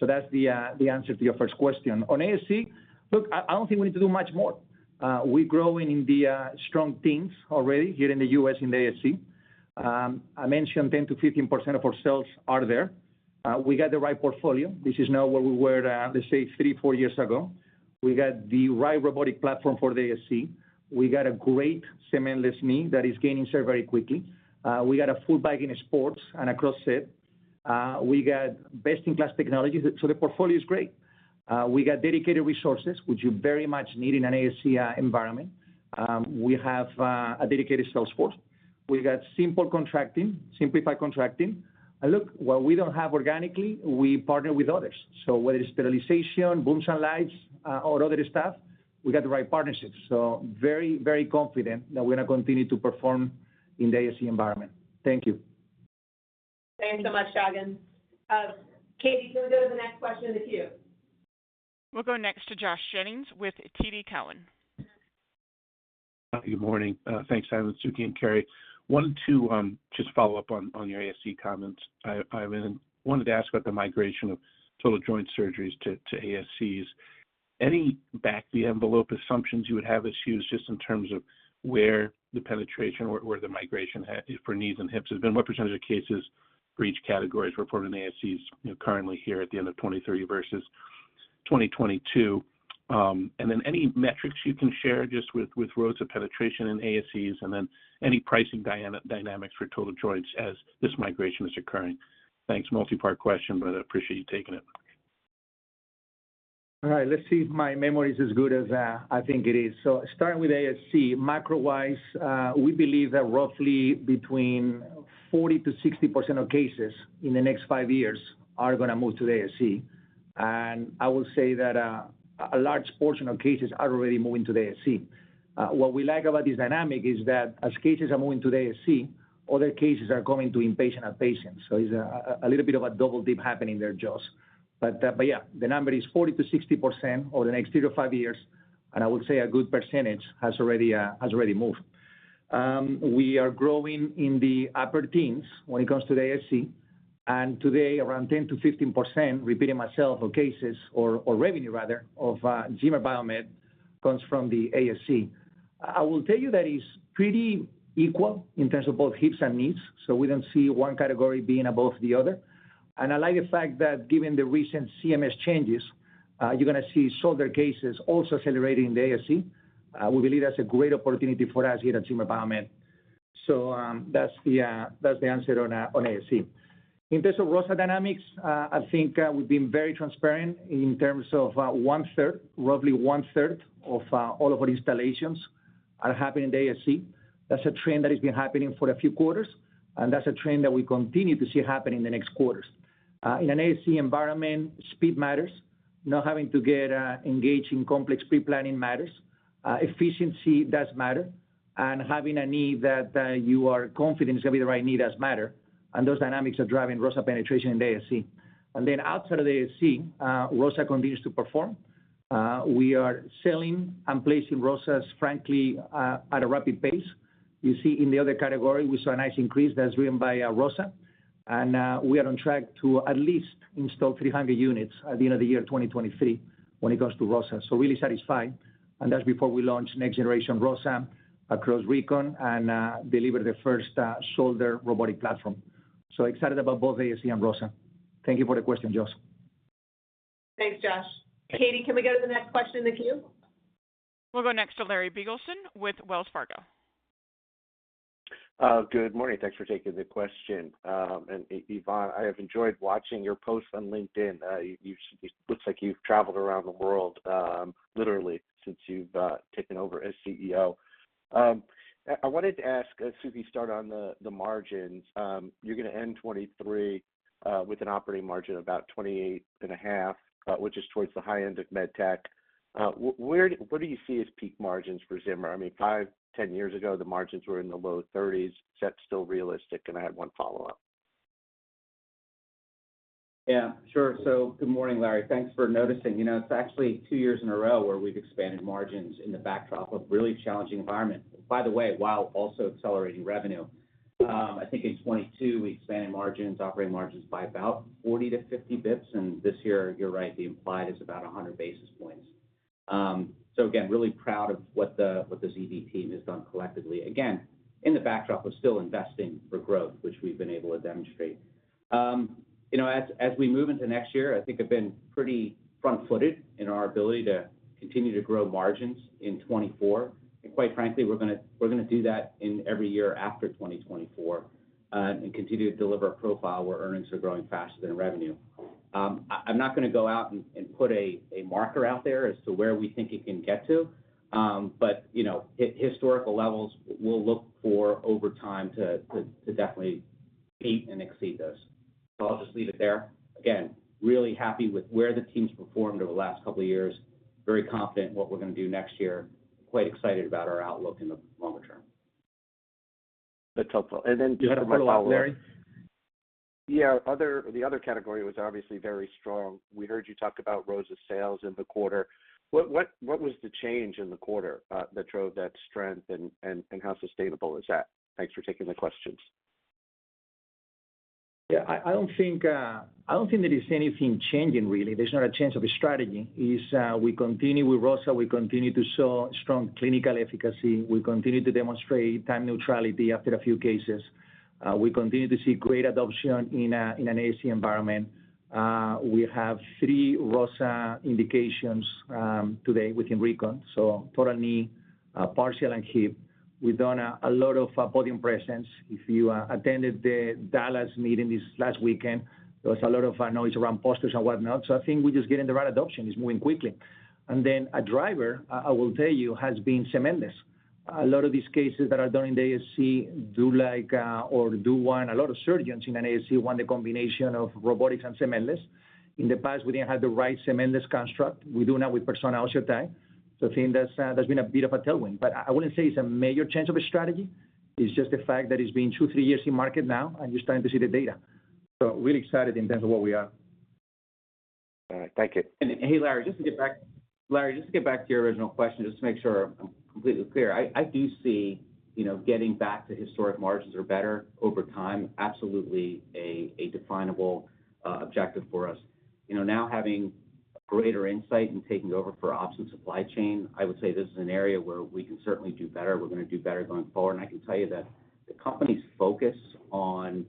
So that's the answer to your first question. On ASC, look, I don't think we need to do much more. We're growing in the strong teams already here in the U.S. in the ASC. I mentioned 10%-15% of our sales are there. We got the right portfolio. This is not where we were, let's say, 3-4 years ago. We got the right robotic platform for the ASC. We got a great cementless knee that is gaining share very quickly. We got a full bag in sports and across it. We got best-in-class technology, so the portfolio is great. We got dedicated resources, which you very much need in an ASC environment. We have a dedicated sales force. We got simple contracting, simplified contracting. And look, what we don't have organically, we partner with others. So whether it's sterilization, booms and lights, or other stuff, we got the right partnerships. So very, very confident that we're going to continue to perform in the ASC environment. Thank you.
Thanks so much, Shagun. Katie, can we go to the next question in the queue? We'll go next to Josh Jennings with TD Cowen.
Good morning. Thanks, Ivan, Suky, and Keri. Wanted to just follow up on your ASC comments. I then wanted to ask about the migration of total joint surgeries to ASCs. Any back-of-the-envelope assumptions you would have us use just in terms of where the penetration or where the migration has, for knees and hips, has been? What percentage of cases for each category is reported in ASCs, you know, currently here at the end of 2023 versus 2022? And then any metrics you can share just with ROSA penetration in ASCs, and then any pricing dynamics for total joints as this migration is occurring? Thanks, multipart question, but I appreciate you taking it.
All right, let's see if my memory is as good as I think it is. So starting with ASC, macro-wise, we believe that roughly between 40%-60% of cases in the next 5 years are going to move to the ASC. And I will say that a large portion of cases are already moving to the ASC. What we like about this dynamic is that as cases are moving to the ASC, other cases are going to inpatient, outpatients. So it's a little bit of a double dip happening there, Josh. But yeah, the number is 40%-60% over the next 3-5 years, and I would say a good percentage has already moved. We are growing in the upper teens when it comes to the ASC, and today, around 10%-15%, repeating myself, of cases, or revenue rather, of Zimmer Biomet, comes from the ASC. I will tell you that it's pretty equal in terms of both hips and knees, so we don't see one category being above the other. And I like the fact that given the recent CMS changes, you're going to see shoulder cases also accelerating in the ASC. We believe that's a great opportunity for us here at Zimmer Biomet. So, that's the answer on ASC. In terms of ROSA dynamics, I think we've been very transparent in terms of roughly one-third of all of our installations are happening in ASC. That's a trend that has been happening for a few quarters, and that's a trend that we continue to see happen in the next quarters. In an ASC environment, speed matters. Not having to get engaged in complex pre-planning matters. Efficiency does matter, and having a need that you are confident is going to be the right need does matter, and those dynamics are driving ROSA penetration in the ASC. And then outside of the ASC, ROSA continues to perform. We are selling and placing ROSAs, frankly, at a rapid pace. You see in the other category, we saw a nice increase that's driven by ROSA. And we are on track to at least install 300 units at the end of the year 2023 when it comes to ROSA. So really satisfied, and that's before we launch next generation ROSA across Recon and deliver the first shoulder robotic platform. So excited about both ASC and ROSA. Thank you for the question, Josh.
Thanks, Josh. Katie, can we go to the next question in the queue? We'll go next to Larry Biegelsen with Wells Fargo.
Good morning. Thanks for taking the question. And Ivan, I have enjoyed watching your posts on LinkedIn. You've-- it looks like you've traveled around the world, literally, since you've taken over as CEO. I wanted to ask, Suki, start on the margins. You're gonna end 2023 with an operating margin of about 28.5%, which is towards the high end of med tech. W-where-- what do you see as peak margins for Zimmer? I mean, five, 10 years ago, the margins were in the low 30s. Is that still realistic? And I have one follow-up.
Yeah, sure. So good morning, Larry. Thanks for noticing. You know, it's actually two years in a row where we've expanded margins in the backdrop of a really challenging environment. By the way, while also accelerating revenue. I think in 2022, we expanded margins, operating margins by about 40-50 basis points, and this year, you're right, the implied is about 100 basis points. So again, really proud of what the ZB team has done collectively, again, in the backdrop of still investing for growth, which we've been able to demonstrate. You know, as we move into next year, I think I've been pretty front-footed in our ability to continue to grow margins in 2024.
Quite frankly, we're gonna, we're gonna do that in every year after 2024, and continue to deliver a profile where earnings are growing faster than revenue. I'm not gonna go out and, and put a, a marker out there as to where we think it can get to. But, you know, historical levels, we'll look for over time to, to, to definitely meet and exceed those. So I'll just leave it there. Again, really happy with where the team's performed over the last couple of years. Very confident in what we're gonna do next year. Quite excited about our outlook in the longer term.
That's helpful. And then just one follow-up-
You had a follow-up, Larry?
Yeah, the other category was obviously very strong. We heard you talk about ROSA sales in the quarter. What was the change in the quarter that drove that strength? And how sustainable is that? Thanks for taking the questions.
Yeah, I don't think there is anything changing really. There's not a change of strategy. We continue with ROSA, we continue to show strong clinical efficacy. We continue to demonstrate time neutrality after a few cases. We continue to see great adoption in an ASC environment. We have three ROSA indications today within Recon, so total knee, partial, and hip. We've done a lot of body impressions. If you attended the Dallas meeting this last weekend, there was a lot of noise around posters and whatnot. So I think we're just getting the right adoption. It's moving quickly. And then a driver, I will tell you, has been cementless. A lot of these cases that are done in the ASC do like, or do want a lot of surgeons in an ASC want a combination of robotics and cementless. In the past, we didn't have the right cementless construct. We do now with Persona OsseoTi. So I think that's, that's been a bit of a tailwind, but I wouldn't say it's a major change of a strategy. It's just the fact that it's been 2, 3 years in market now, and you're starting to see the data. So really excited in terms of where we are.
All right. Thank you.
And hey, Larry, just to get back, Larry, just to get back to your original question, just to make sure I'm completely clear. I do see, you know, getting back to historic margins or better over time, absolutely a definable objective for us. You know, now having greater insight and taking over for ops and supply chain, I would say this is an area where we can certainly do better. We're gonna do better going forward. And I can tell you that the company's focus on,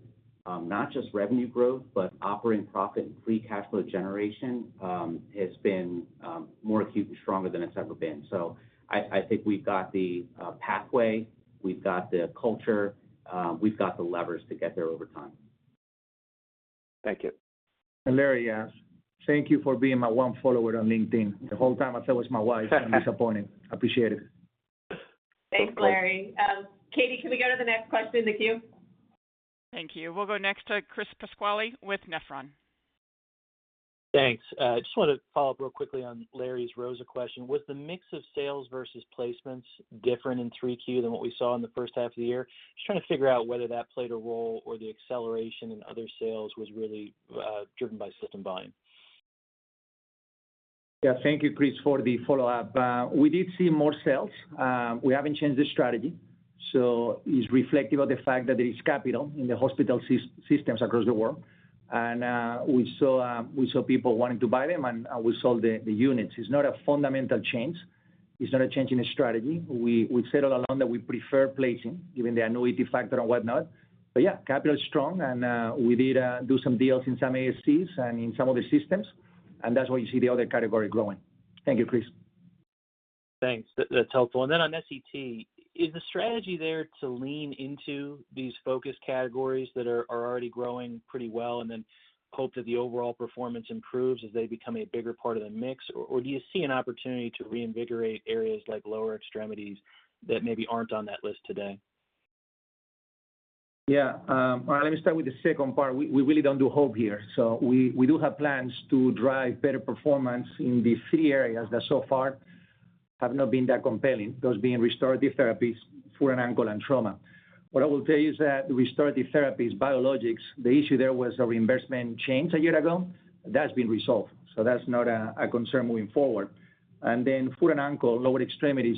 not just revenue growth, but operating profit and free cash flow generation, has been more acute and stronger than it's ever been. So I think we've got the pathway, we've got the culture, we've got the levers to get there over time.
Thank you.
Larry, yes, thank you for being my one follower on LinkedIn. The whole time I thought it was my wife. I'm disappointed. I appreciate it.
Thanks, Larry. Katie, can we go to the next question in the queue? Thank you. We'll go next to Chris Pasquale with Nephron.
Thanks. I just wanted to follow up real quickly on Larry's ROSA question. Was the mix of sales versus placements different in 3Q than what we saw in the first half of the year? Just trying to figure out whether that played a role, or the acceleration in other sales was really driven by system buying.
Yeah. Thank you, Chris, for the follow-up. We did see more sales. We haven't changed the strategy, so it's reflective of the fact that there is capital in the hospital systems across the world. And we saw people wanting to buy them, and we sold the units. It's not a fundamental change. It's not a change in the strategy. We've said all along that we prefer placing, given the annuity factor and whatnot. But yeah, capital is strong, and we did do some deals in some ASCs and in some other systems, and that's why you see the other category growing. Thank you, Chris.
Thanks. That, that's helpful. And then on SET, is the strategy there to lean into these focus categories that are, are already growing pretty well and then hope that the overall performance improves as they become a bigger part of the mix? Or, or do you see an opportunity to reinvigorate areas like lower extremities that maybe aren't on that list today?
Yeah, let me start with the second part. We really don't do hope here. So we do have plans to drive better performance in the three areas that so far have not been that compelling, those being restorative therapies, foot and ankle, and trauma. What I will tell you is that the restorative therapies, biologics, the issue there was a reimbursement change a year ago. That's been resolved, so that's not a concern moving forward. And then foot and ankle, lower extremities,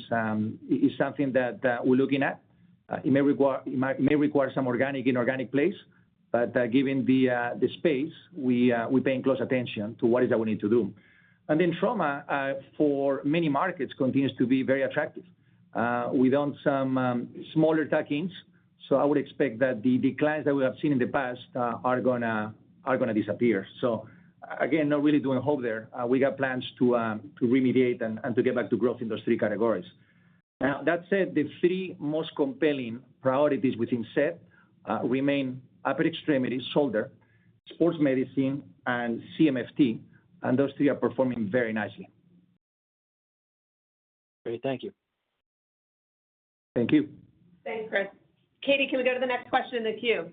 is something that we're looking at. It may require, it might, may require some organic and inorganic plays, but given the space, we're paying close attention to what it is that we need to do. And then trauma, for many markets, continues to be very attractive. We've done some smaller tuck-ins, so I would expect that the declines that we have seen in the past are gonna disappear. So again, not really doing M&A there. We got plans to remediate and to get back to growth in those three categories. Now, that said, the three most compelling priorities within SET remain upper extremity, shoulder, sports medicine, and CMFT, and those three are performing very nicely.
Great. Thank you.
Thank you.
Thanks, Chris. Katie, can we go to the next question in the queue?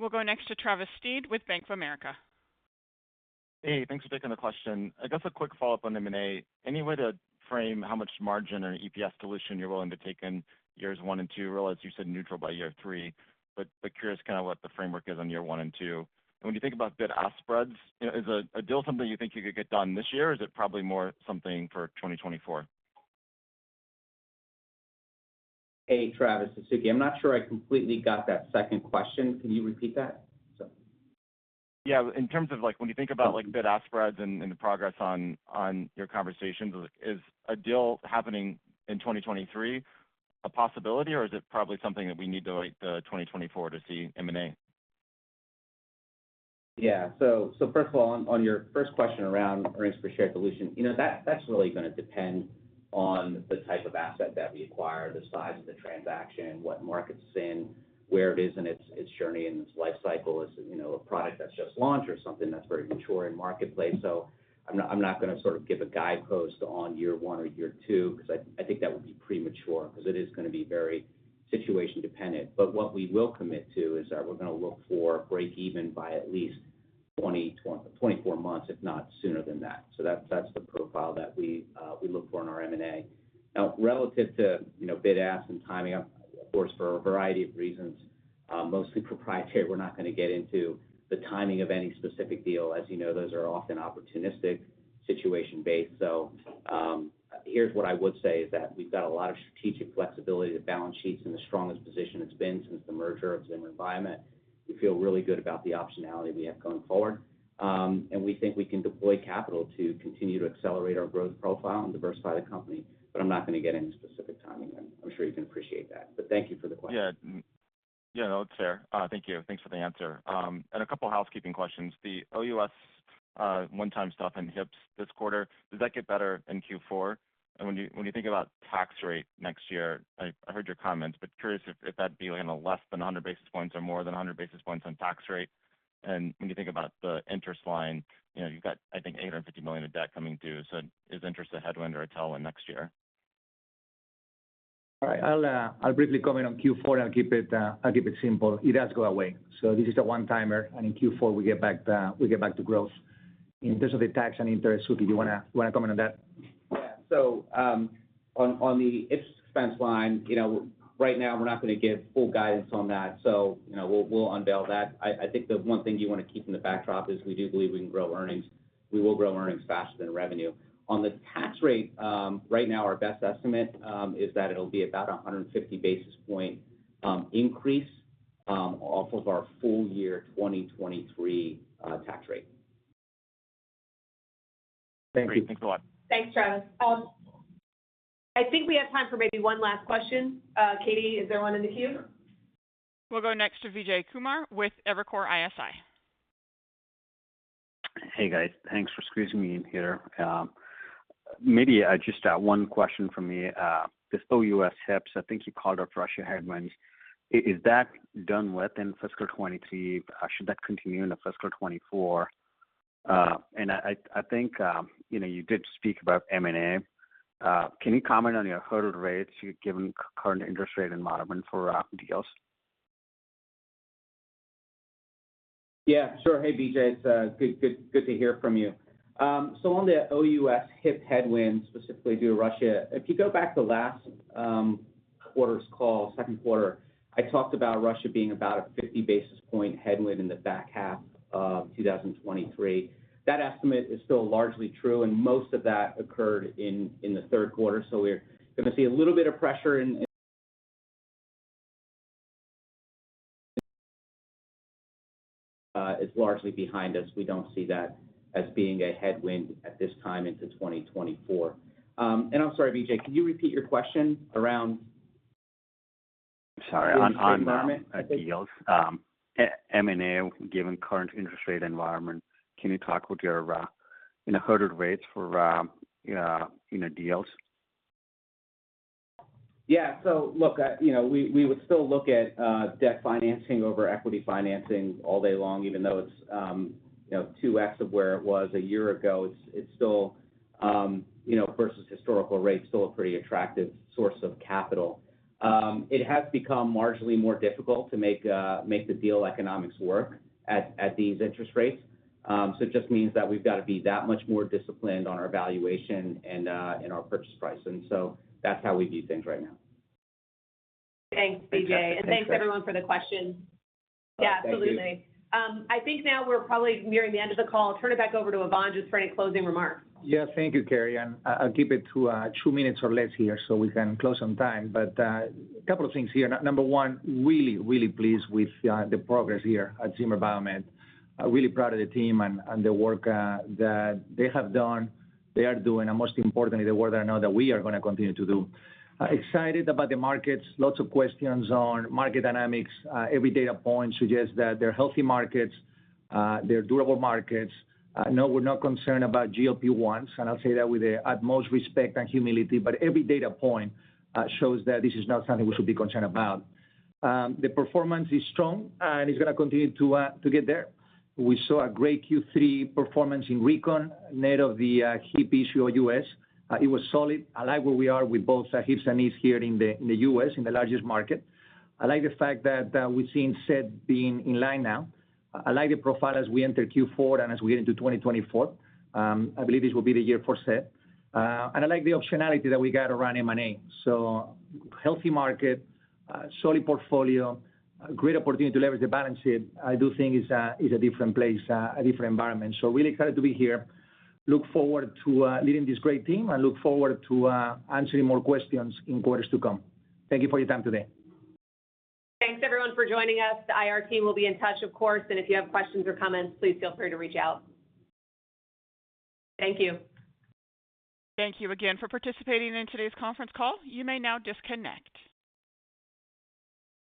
We'll go next to Travis Steed with Bank of America.
Hey, thanks for taking the question. I guess a quick follow-up on M&A. Any way to frame how much margin or EPS dilution you're willing to take in years one and two? I realize you said neutral by year three, but curious kind of what the framework is on year one and two. And when you think about bid-ask spreads, you know, is a deal something you think you could get done this year, or is it probably more something for 2024?
Hey, Travis, it's Suky. I'm not sure I completely got that second question. Can you repeat that? So...
Yeah, in terms of, like, when you think about, like, bid-ask spreads and the progress on your conversations, is a deal happening in 2023 a possibility, or is it probably something that we need to wait till 2024 to see M&A?
Yeah. So first of all, on your first question around earnings per share dilution, you know, that's really gonna depend on the type of asset that we acquire, the size of the transaction, what markets it's in, where it is in its journey and its life cycle. Is it, you know, a product that's just launched or something that's very mature in marketplace? So I'm not gonna sort of give a guidepost on year one or year two, 'cause I think that would be premature, 'cause it is gonna be very situation dependent. But what we will commit to is that we're gonna look for break even by at least 20-24 months, if not sooner than that. So that's the profile that we look for in our M&A. Now, relative to, you know, bid-ask and timing, of course, for a variety of reasons, mostly proprietary, we're not gonna get into the timing of any specific deal. As you know, those are often opportunistic, situation-based. So, here's what I would say, is that we've got a lot of strategic flexibility. The balance sheet's in the strongest position it's been since the merger of Zimmer Biomet. We feel really good about the optionality we have going forward, and we think we can deploy capital to continue to accelerate our growth profile and diversify the company, but I'm not gonna get into specific timing. I'm sure you can appreciate that. But thank you for the question.
Yeah. Yeah, no, it's fair. Thank you. Thanks for the answer. And a couple of housekeeping questions. The OUS one-time stuff in hips this quarter, does that get better in Q4? And when you think about tax rate next year, I heard your comments, but curious if that'd be, you know, less than 100 basis points or more than 100 basis points on tax rate. And when you think about the interest line, you know, you've got, I think, $850 million of debt coming due, so is interest a headwind or a tailwind next year?
All right, I'll briefly comment on Q4. I'll keep it simple. It does go away. So this is a one-timer, and in Q4 we get back to growth. In terms of the tax and interest, Suky, do you wanna comment on that?
Yeah. So, on the interest expense line, you know, right now, we're not gonna give full guidance on that, so, you know, we'll unveil that. I think the one thing you wanna keep in the backdrop is, we do believe we can grow earnings. We will grow earnings faster than revenue. On the tax rate, right now, our best estimate is that it'll be about 150 basis point increase off of our full year 2023 tax rate.
Thank you. Thanks a lot.
Thanks, Travis. I think we have time for maybe one last question. Katie, is there one in the queue? We'll go next to Vijay Kumar with Evercore ISI.
Hey, guys. Thanks for squeezing me in here. Maybe just one question from me. This OUS hips, I think you called out Russia headwinds. Is that done with in fiscal 2020? Should that continue into fiscal 2024? And I think, you know, you did speak about M&A. Can you comment on your hurdle rates, you've given current interest rate environment for deals?
Yeah, sure. Hey, Vijay, it's good, good, good to hear from you. So on the OUS hip headwind, specifically due to Russia, if you go back to last quarter's call, second quarter, I talked about Russia being about a 50 basis point headwind in the back half of 2023. That estimate is still largely true, and most of that occurred in the third quarter. So we're gonna see a little bit of pressure in- is largely behind us. We don't see that as being a headwind at this time into 2024. And I'm sorry, Vijay, could you repeat your question around-
Sorry, on deals. M&A, given current interest rate environment, can you talk about your, you know, hurdle rates for, you know, deals?
Yeah. So look, you know, we, we would still look at debt financing over equity financing all day long, even though it's, you know, 2x of where it was a year ago. It's, it's still, you know, versus historical rates, still a pretty attractive source of capital. It has become marginally more difficult to make, make the deal economics work at, at these interest rates. So it just means that we've got to be that much more disciplined on our valuation and, in our purchase price. And so that's how we view things right now.
Thanks, Vijay, and thanks, everyone, for the questions.
Thank you.
Yeah, absolutely. I think now we're probably nearing the end of the call. I'll turn it back over to Ivan, just for any closing remarks.
Yeah. Thank you, Keri, and I'll keep it to two minutes or less here, so we can close on time. But a couple of things here. Number one, really, really pleased with the progress here at Zimmer Biomet. Really proud of the team and the work that they have done, they are doing, and most importantly, the work I know that we are gonna continue to do. Excited about the markets. Lots of questions on market dynamics. Every data point suggests that they're healthy markets, they're durable markets. No, we're not concerned about GLP-1s, and I'll say that with the utmost respect and humility, but every data point shows that this is not something we should be concerned about. The performance is strong, and it's gonna continue to get there. We saw a great Q3 performance in Recon, net of the hip issue OUS. It was solid. I like where we are with both hips and knees here in the U.S., in the largest market. I like the fact that we've seen SET being in line now. I like the profile as we enter Q4 and as we get into 2024. I believe this will be the year for SET, and I like the optionality that we got around M&A. So healthy market, solid portfolio, great opportunity to leverage the balance sheet. I do think it's a different place, a different environment. So really excited to be here. Look forward to leading this great team, and look forward to answering more questions in quarters to come. Thank you for your time today.
Thanks, everyone, for joining us. The IR team will be in touch, of course, and if you have questions or comments, please feel free to reach out. Thank you. Thank you again for participating in today's conference call. You may now disconnect.